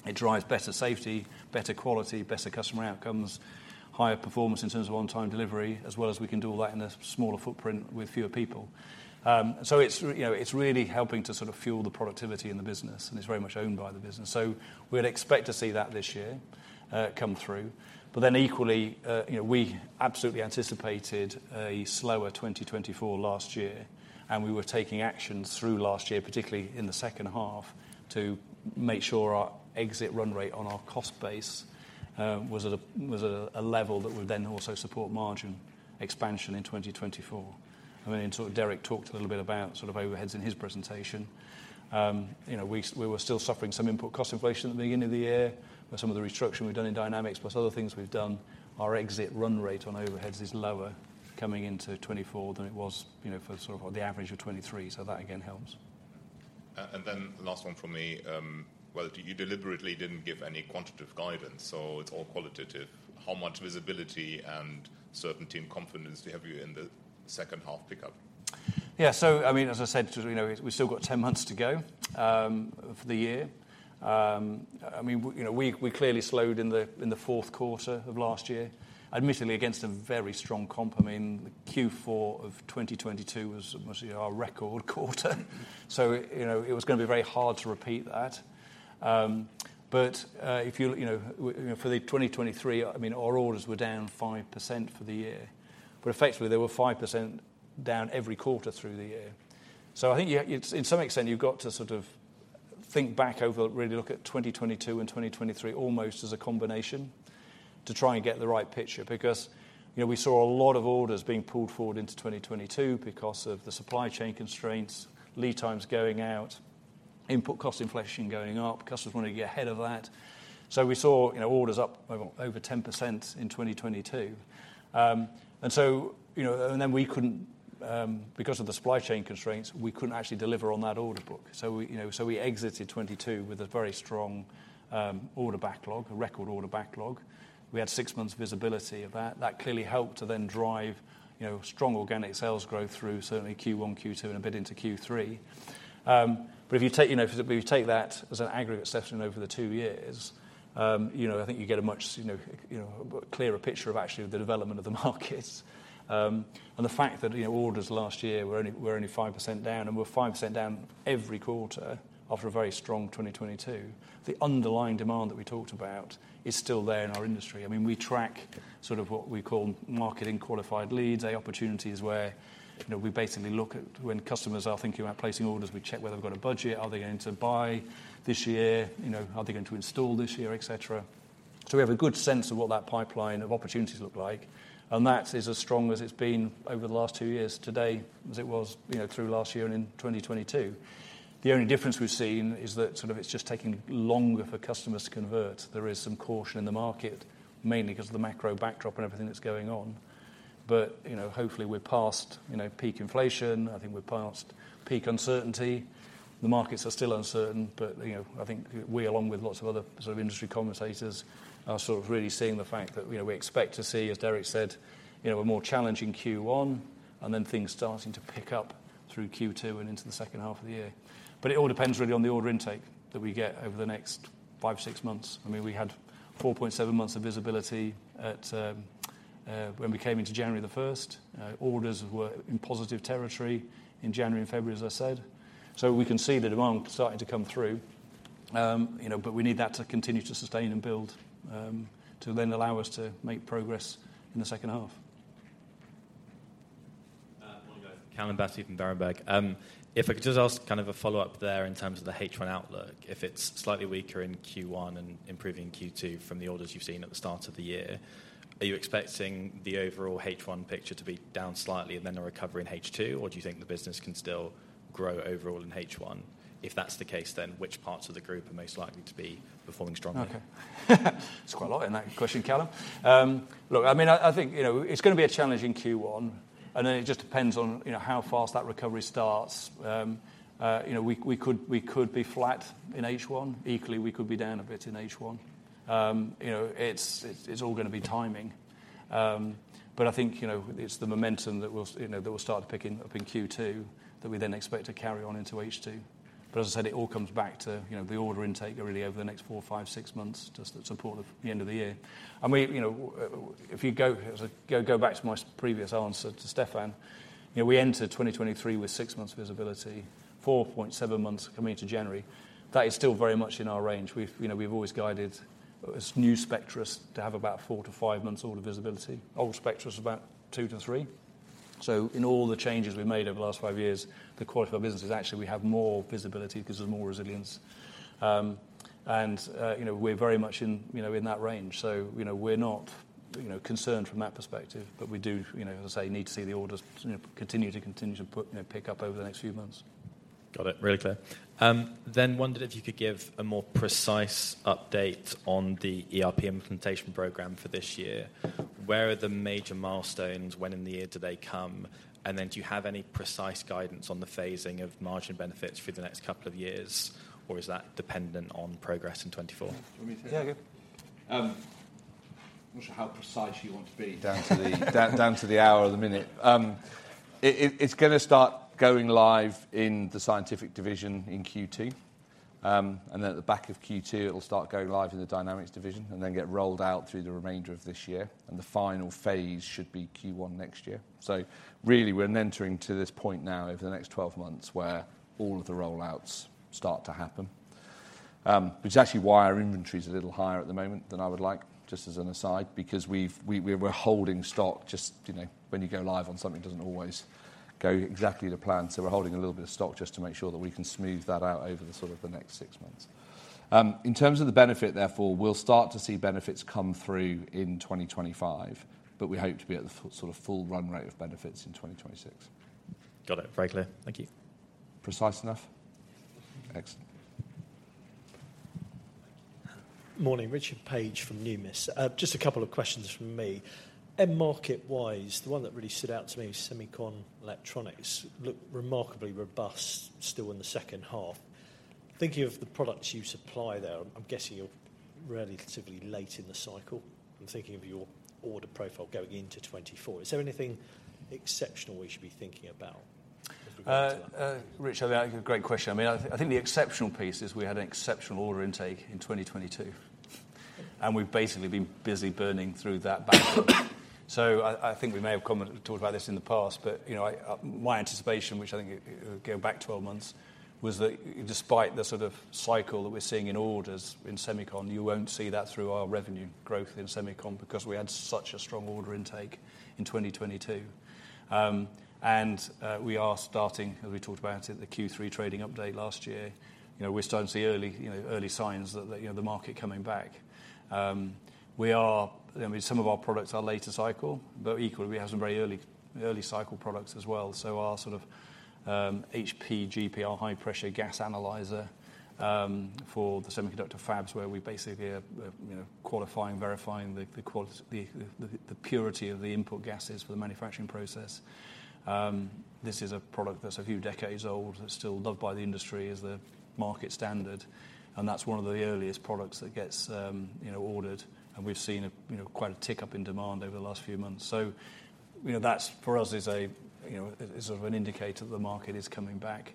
It drives better safety, better quality, better customer outcomes, higher performance in terms of on-time delivery, as well as we can do all that in a smaller footprint with fewer people. So it's, you know, it's really helping to sort of fuel the productivity in the business, and it's very much owned by the business. So we'd expect to see that this year, come through. But then equally, you know, we absolutely anticipated a slower 2024 last year, and we were taking actions through last year, particularly in the second half, to make sure our exit run rate on our cost base was at a level that would then also support margin expansion in 2024. I mean, and so Derek talked a little bit about sort of overheads in his presentation. You know, we were still suffering some input cost inflation at the beginning of the year, but some of the restructuring we've done in Dynamics, plus other things we've done, our exit run rate on overheads is lower coming into 2024 than it was, you know, for sort of the average of 2023. So that, again, helps. Then, last one from me. Well, you deliberately didn't give any quantitative guidance, so it's all qualitative. How much visibility and certainty and confidence do you have in the second half pickup? Yeah, so I mean, as I said, you know, we've still got 10 months to go for the year. I mean, you know, we clearly slowed in the fourth quarter of last year, admittedly against a very strong comp. I mean, the Q4 of 2022 was mostly our record quarter. So, you know, it was going to be very hard to repeat that. But if you know for the 2023, I mean, our orders were down 5% for the year, but effectively, they were 5% down every quarter through the year. So I think, yeah, it's in some extent, you've got to sort of think back over, really look at 2022 and 2023 almost as a combination to try and get the right picture, because, you know, we saw a lot of orders being pulled forward into 2022 because of the supply chain constraints, lead times going out, input cost inflation going up. Customers wanted to get ahead of that. So we saw, you know, orders up over 10% in 2022. And so, you know, and then we couldn't because of the supply chain constraints, we couldn't actually deliver on that order book. So, you know, so we exited 2022 with a very strong, order backlog, a record order backlog. We had six months visibility of that. That clearly helped to then drive, you know, strong organic sales growth through certainly Q1, Q2, and a bit into Q3. But if you take, you know, if you take that as an aggregate session over the two years, you know, I think you get a much, you know, you know, clearer picture of actually the development of the markets. And the fact that, you know, orders last year were only, were only 5% down, and were 5% down every quarter after a very strong 2022, the underlying demand that we talked about is still there in our industry. I mean, we track sort of what we call marketing qualified leads, opportunities where, you know, we basically look at when customers are thinking about placing orders, we check whether they've got a budget, are they going to buy this year, you know, are they going to install this year, et cetera. So we have a good sense of what that pipeline of opportunities look like, and that is as strong as it's been over the last two years today, as it was, you know, through last year and in 2022. The only difference we've seen is that sort of it's just taking longer for customers to convert. There is some caution in the market, mainly 'cause of the macro backdrop and everything that's going on. But, you know, hopefully, we're past, you know, peak inflation. I think we're past peak uncertainty. The markets are still uncertain, but, you know, I think we, along with lots of other sort of industry commentators, are sort of really seeing the fact that, you know, we expect to see, as Derek said, you know, a more challenging Q1, and then things starting to pick up through Q2 and into the second half of the year. But it all depends really on the order intake that we get over the next five to six months. I mean, we had 4.7 months of visibility at, when we came into January the 1st. Orders were in positive territory in January and February, as I said. So we can see the demand starting to come through, you know, but we need that to continue to sustain and build, to then allow us to make progress in the second half. Calum Battersby from Berenberg. If I could just ask kind of a follow-up there in terms of the H1 outlook, if it's slightly weaker in Q1 and improving Q2 from the orders you've seen at the start of the year, are you expecting the overall H1 picture to be down slightly and then a recovery in H2, or do you think the business can still grow overall in H1? If that's the case, then which parts of the group are most likely to be performing strongly? There's quite a lot in that question, Calum. Look, I mean, I, I think, you know, it's gonna be a challenge in Q1, and then it just depends on, you know, how fast that recovery starts. You know, we, we could, we could be flat in H1. Equally, we could be down a bit in H1. You know, it's, it's all gonna be timing. But I think, you know, it's the momentum that will, you know, that will start picking up in Q2, that we then expect to carry on into H2. But as I said, it all comes back to, you know, the order intake really over the next four, five, six months, just to support the end of the year. I mean, you know, if you go back to my previous answer to Stephan, you know, we entered 2023 with six months visibility, 4.7 months coming into January. That is still very much in our range. We've, you know, we've always guided as new Spectris to have about four to five months order visibility. Old Spectris, about two to three. So in all the changes we've made over the last five years, the quality of our business is actually we have more visibility because there's more resilience. And, you know, we're very much in, you know, in that range. So, you know, we're not, you know, concerned from that perspective, but we do, you know, as I say, need to see the orders, you know, continue to pick up over the next few months. Got it. Really clear. Then wondered if you could give a more precise update on the ERP implementation program for this year. Where are the major milestones? When in the year do they come? And then do you have any precise guidance on the phasing of margin benefits for the next couple of years, or is that dependent on progress in 2024? Do you want me to take it? Yeah, I'm not sure how precise you want to be down to the hour or the minute. It's gonna start going live in the Scientific division in Q2. And then at the back of Q2, it'll start going live in the Dynamics division, and then get rolled out through the remainder of this year, and the final phase should be Q1 next year. So really, we're entering to this point now over the next 12 months, where all of the rollouts start to happen. Which is actually why our inventory is a little higher at the moment than I would like, just as an aside, because we're holding stock, just, you know, when you go live on something, it doesn't always go exactly to plan. We're holding a little bit of stock just to make sure that we can smooth that out over sort of the next six months. In terms of the benefit, therefore, we'll start to see benefits come through in 2025, but we hope to be at sort of full run rate of benefits in 2026. Got it. Very clear. Thank you. Precise enough? Excellent. Morning, Richard Paige from Numis. Just a couple of questions from me. End market-wise, the one that really stood out to me is semicon electronics. Look remarkably robust, still in the second half. Thinking of the products you supply there, I'm guessing you're relatively late in the cycle. I'm thinking of your order profile going into 2024. Is there anything exceptional we should be thinking about as regards to that? Richard, a great question. I mean, I think the exceptional piece is we had an exceptional order intake in 2022, and we've basically been busy burning through that backlog. So I think we may have talked about this in the past, but, you know, my anticipation, which I think, going back 12 months, was that despite the sort of cycle that we're seeing in orders in semicon, you won't see that through our revenue growth in semicon because we had such a strong order intake in 2022. And, we are starting, as we talked about it, the Q3 trading update last year. You know, we're starting to see early signs that the market coming back. We are... I mean, some of our products are later cycle, but equally, we have some very early cycle products as well. So our sort of HPGP, our high-pressure gas analyzer for the semiconductor fabs, where we basically are, you know, qualifying, verifying the purity of the input gases for the manufacturing process. This is a product that's a few decades old, that's still loved by the industry as the market standard, and that's one of the earliest products that gets, you know, ordered, and we've seen a, you know, quite a tick-up in demand over the last few months. So, you know, that for us is a, you know, is sort of an indicator that the market is coming back.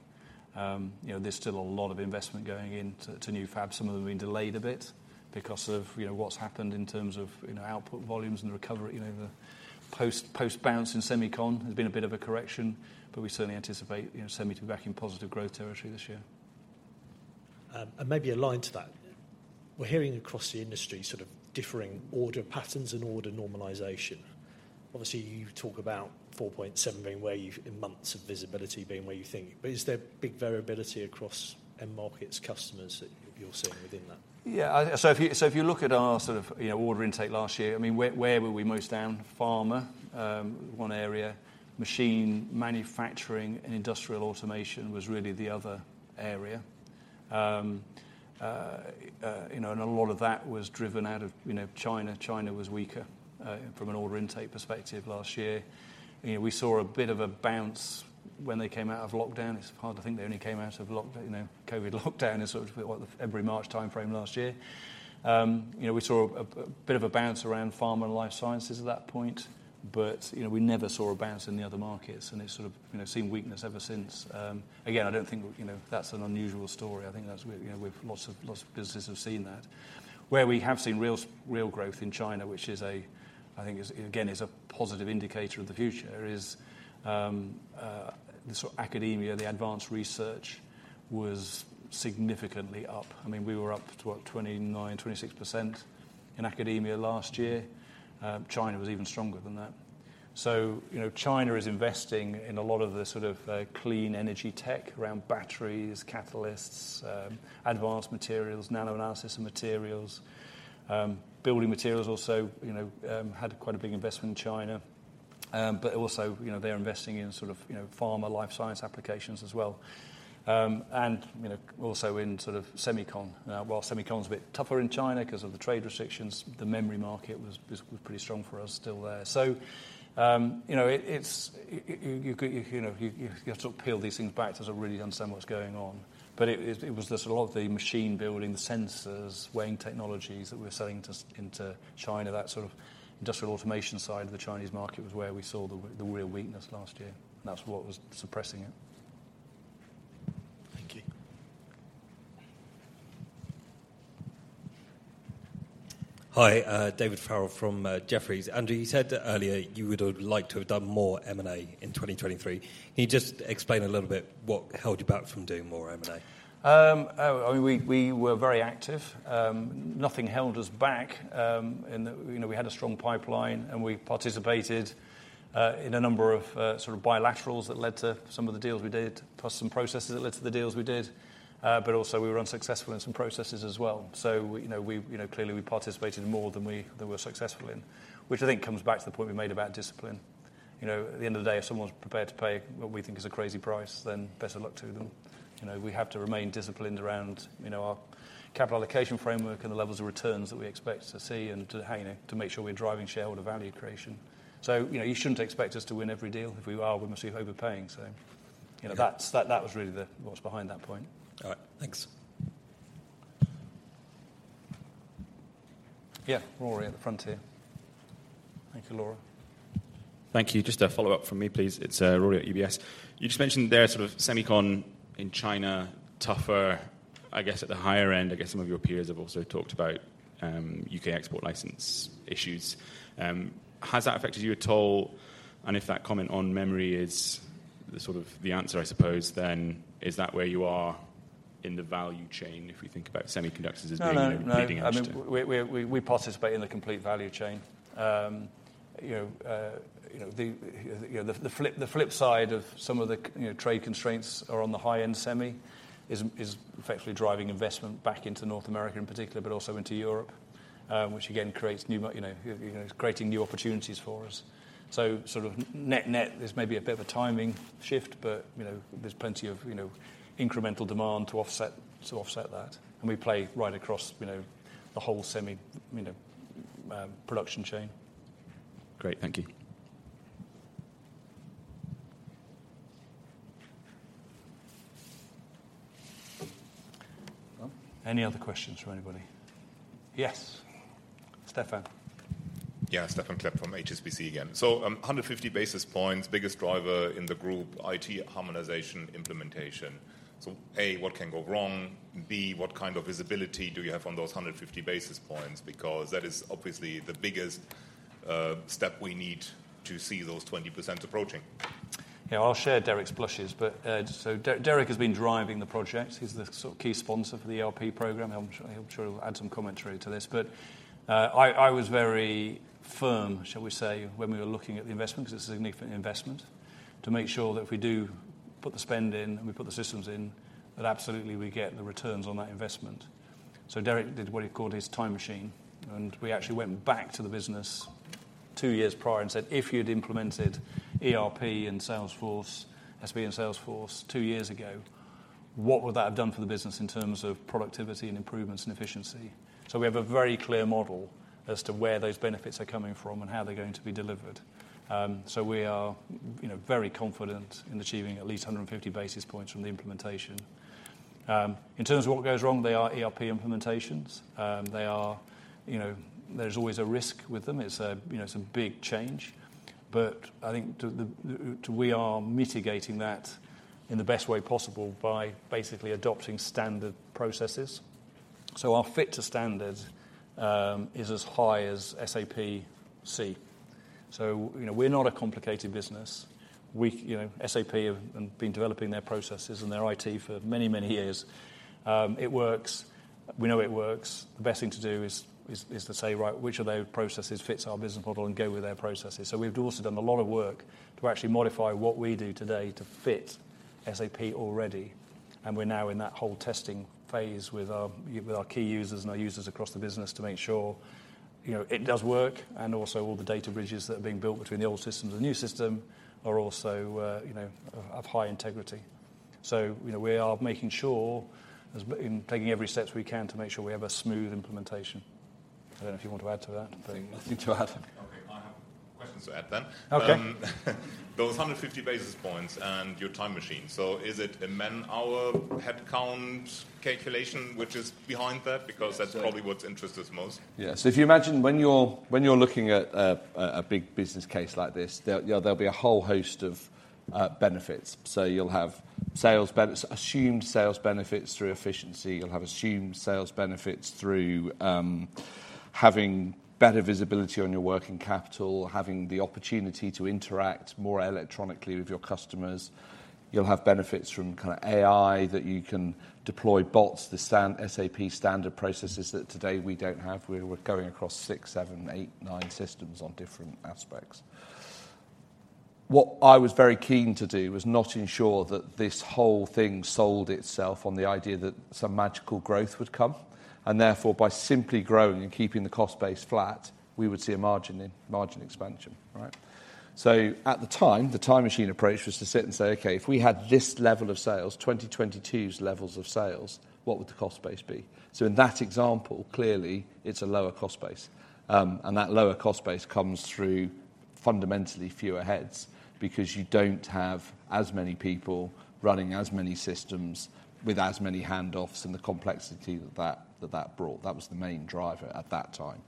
You know, there's still a lot of investment going into new fabs. Some of them have been delayed a bit because of, you know, what's happened in terms of, you know, output volumes and the recovery. You know, the post-bounce in semicon, there's been a bit of a correction, but we certainly anticipate, you know, semicon to be back in positive growth territory this year. Maybe aligned to that, we're hearing across the industry, sort of differing order patterns and order normalization. Obviously, you talk about 4.7 in months of visibility, being where you think. But is there big variability across end markets, customers that you're seeing within that? Yeah, so if you look at our sort of, you know, order intake last year, I mean, where were we most down? Pharma, one area. Machine manufacturing and industrial automation was really the other area. You know, and a lot of that was driven out of, you know, China. China was weaker, from an order intake perspective last year. You know, we saw a bit of a bounce when they came out of lockdown. It's hard to think they only came out of lockdown, you know, COVID lockdown in sort of February, March timeframe last year. You know, we saw a bit of a bounce around pharma and life sciences at that point, but, you know, we never saw a bounce in the other markets, and it sort of, you know, seen weakness ever since. Again, I don't think, you know, that's an unusual story. I think that's where, you know, we've lots of, lots of businesses have seen that. Where we have seen real, real growth in China, which is a, I think, is again, is a positive indicator of the future, is, the sort of academia, the advanced research was significantly up. I mean, we were up to, what, 29%, 26% in academia last year. China was even stronger than that. So, you know, China is investing in a lot of the sort of, clean energy tech around batteries, catalysts, advanced materials, nanoanalysis and materials. Building materials also, you know, had quite a big investment in China, but also, you know, they're investing in sort of, you know, pharma, life science applications as well. And, you know, also in sort of semicon. While semicon is a bit tougher in China because of the trade restrictions, the memory market was pretty strong for us still there. So, you know, it's, you know, you have to peel these things back to sort of really understand what's going on. But it was the sort of the machine building, the sensors, weighing technologies that we're selling into China, that sort of industrial automation side of the Chinese market was where we saw the real weakness last year. That's what was suppressing it. Thank you. Hi, David Farrell from Jefferies. Andrew, you said earlier you would have liked to have done more M&A in 2023. Can you just explain a little bit what held you back from doing more M&A? I mean, we were very active. Nothing held us back. You know, we had a strong pipeline, and we participated in a number of sort of bilaterals that led to some of the deals we did, plus some processes that led to the deals we did. But also, we were unsuccessful in some processes as well. So, you know, clearly, we participated in more than we were successful in, which I think comes back to the point we made about discipline. You know, at the end of the day, if someone's prepared to pay what we think is a crazy price, then better luck to them. You know, we have to remain disciplined around, you know, our capital allocation framework and the levels of returns that we expect to see and to, you know, to make sure we're driving shareholder value creation. So, you know, you shouldn't expect us to win every deal. If we are, we must be overpaying. So, you know, that's, that, that was really the, what's behind that point. All right, thanks.... Yeah, Rory, at the front here. Thank you, Laura. Thank you. Just a follow-up from me, please. It's Rory at UBS. You just mentioned there sort of semicon in China, tougher, I guess, at the higher end. I guess some of your peers have also talked about UK export license issues. Has that affected you at all? And if that comment on memory is the sort of the answer, I suppose, then, is that where you are in the value chain, if we think about semiconductors as being a leading edge to- No, no, no. I mean, we participate in the complete value chain. You know, the flip side of some of the trade constraints are on the high-end semi is effectively driving investment back into North America in particular, but also into Europe, which again creates new opportunities for us. So sort of net-net, this may be a bit of a timing shift, but, you know, there's plenty of incremental demand to offset that, and we play right across the whole semi production chain. Great. Thank you. Well, any other questions from anybody? Yes, Stephan. Yeah, Stephan Klepp from HSBC again. So, 150 basis points, biggest driver in the group, IT harmonization implementation. So, A, what can go wrong? B, what kind of visibility do you have on those 150 basis points? Because that is obviously the biggest step we need to see those 20% approaching. Yeah, I'll share Derek's blushes, but Derek has been driving the project. He's the sort of key sponsor for the ERP program. I'm sure, I'm sure he'll add some commentary to this, but I was very firm, shall we say, when we were looking at the investment, because it's a significant investment, to make sure that if we do put the spend in and we put the systems in, that absolutely we get the returns on that investment. So Derek did what he called his time machine, and we actually went back to the business two years prior and said, "If you had implemented ERP and Salesforce, SAP and Salesforce, two years ago, what would that have done for the business in terms of productivity and improvements and efficiency?" So we have a very clear model as to where those benefits are coming from and how they're going to be delivered. So we are, you know, very confident in achieving at least 150 basis points from the implementation. In terms of what goes wrong, they are ERP implementations. You know, there's always a risk with them. It's a big change. But I think we are mitigating that in the best way possible by basically adopting standard processes. So our fit to standard is as high as SAP see. So, you know, we're not a complicated business. We, you know, SAP have been developing their processes and their IT for many, many years. It works. We know it works. The best thing to do is to say, "Right, which of those processes fits our business model?" and go with their processes. So we've also done a lot of work to actually modify what we do today to fit SAP already, and we're now in that whole testing phase with our key users and our users across the business to make sure, you know, it does work, and also all the data bridges that are being built between the old systems and the new system are also, you know, of high integrity. So, you know, we are making sure, as in taking every steps we can to make sure we have a smooth implementation. I don't know if you want to add to that, but. Nothing to add. Okay, I have questions to add then. Okay. Those 150 basis points and your time machine, so is it a man-hour, headcount calculation, which is behind that? Because that's probably what interests us most. Yeah. So if you imagine when you're looking at a big business case like this, you know, there'll be a whole host of benefits. So you'll have assumed sales benefits through efficiency, you'll have assumed sales benefits through having better visibility on your working capital, having the opportunity to interact more electronically with your customers. You'll have benefits from kind of AI, that you can deploy bots, the SAP standard processes that today we don't have. We're going across six, seven, eight, nine systems on different aspects. What I was very keen to do was not ensure that this whole thing sold itself on the idea that some magical growth would come, and therefore, by simply growing and keeping the cost base flat, we would see a margin expansion. All right? So at the time, the time machine approach was to sit and say, "Okay, if we had this level of sales, 2022's levels of sales, what would the cost base be?" So in that example, clearly, it's a lower cost base, and that lower cost base comes through fundamentally fewer heads because you don't have as many people running as many systems with as many handoffs and the complexity that that brought. That was the main driver at that time.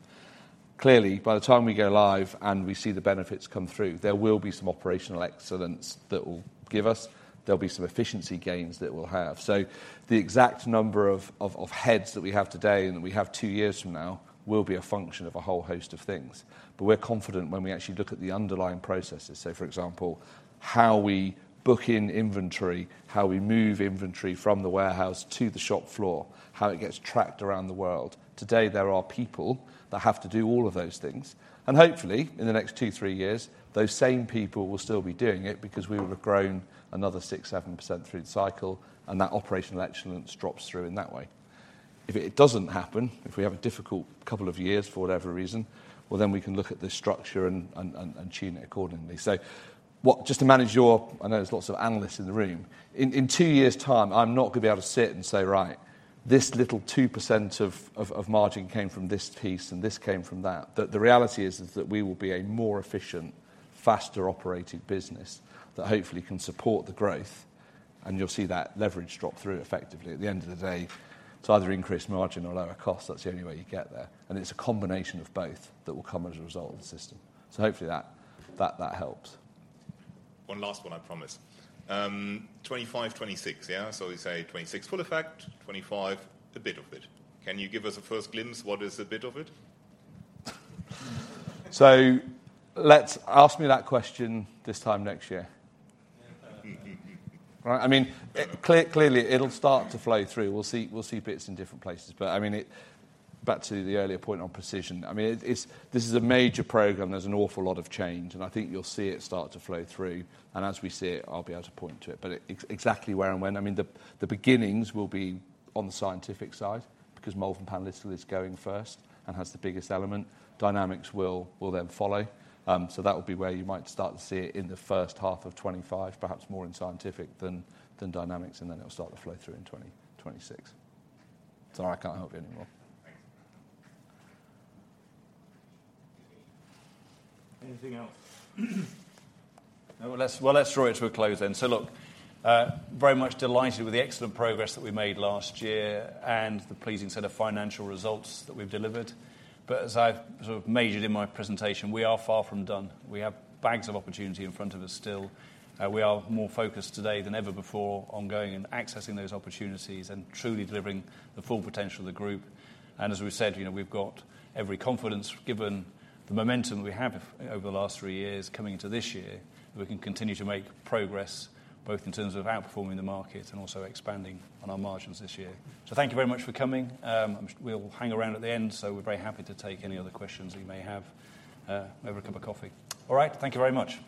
Clearly, by the time we go live and we see the benefits come through, there will be some operational excellence that will give us. There'll be some efficiency gains that we'll have. So the exact number of heads that we have today and that we have two years from now will be a function of a whole host of things. But we're confident when we actually look at the underlying processes, say, for example, how we book in inventory, how we move inventory from the warehouse to the shop floor, how it gets tracked around the world. Today, there are people that have to do all of those things, and hopefully, in the next two to three years, those same people will still be doing it because we would have grown another 6%-7% through the cycle, and that operational excellence drops through in that way. If it doesn't happen, if we have a difficult couple of years for whatever reason, well, then we can look at the structure and tune it accordingly. So what... Just to manage your, I know there's lots of analysts in the room. In two years' time, I'm not going to be able to sit and say, "Right, this little 2% of margin came from this piece, and this came from that." But the reality is that we will be a more efficient, faster operated business that hopefully can support the growth, and you'll see that leverage drop through effectively. At the end of the day, it's either increased margin or lower cost. That's the only way you get there, and it's a combination of both that will come as a result of the system. So hopefully that helps. One last one, I promise. 2025, 2026, yeah? So we say 2026, full effect, 2025, a bit of it. Can you give us a first glimpse, what is a bit of it? So let's ask me that question this time next year. Right? I mean, it's clear, clearly, it'll start to flow through. We'll see, we'll see bits in different places. But, I mean, it... Back to the earlier point on precision, I mean, it, it's, this is a major program. There's an awful lot of change, and I think you'll see it start to flow through, and as we see it, I'll be able to point to it. But exactly where and when, I mean, the beginnings will be on the Scientific side because Malvern Panalytical is going first and has the biggest element. Dynamics will then follow. So that would be where you might start to see it in the first half of 2025, perhaps more in Scientific than Dynamics, and then it'll start to flow through in 2026. Sorry, I can't help you anymore. Thanks. Anything else? Well, let's draw it to a close then. So look, very much delighted with the excellent progress that we made last year and the pleasing set of financial results that we've delivered. But as I've sort of majored in my presentation, we are far from done. We have bags of opportunity in front of us still. We are more focused today than ever before on going and accessing those opportunities and truly delivering the full potential of the group. And as we've said, you know, we've got every confidence, given the momentum we have over the last three years coming into this year, that we can continue to make progress, both in terms of outperforming the market and also expanding on our margins this year. So thank you very much for coming. We'll hang around at the end, so we're very happy to take any other questions that you may have, over a cup of coffee. All right, thank you very much.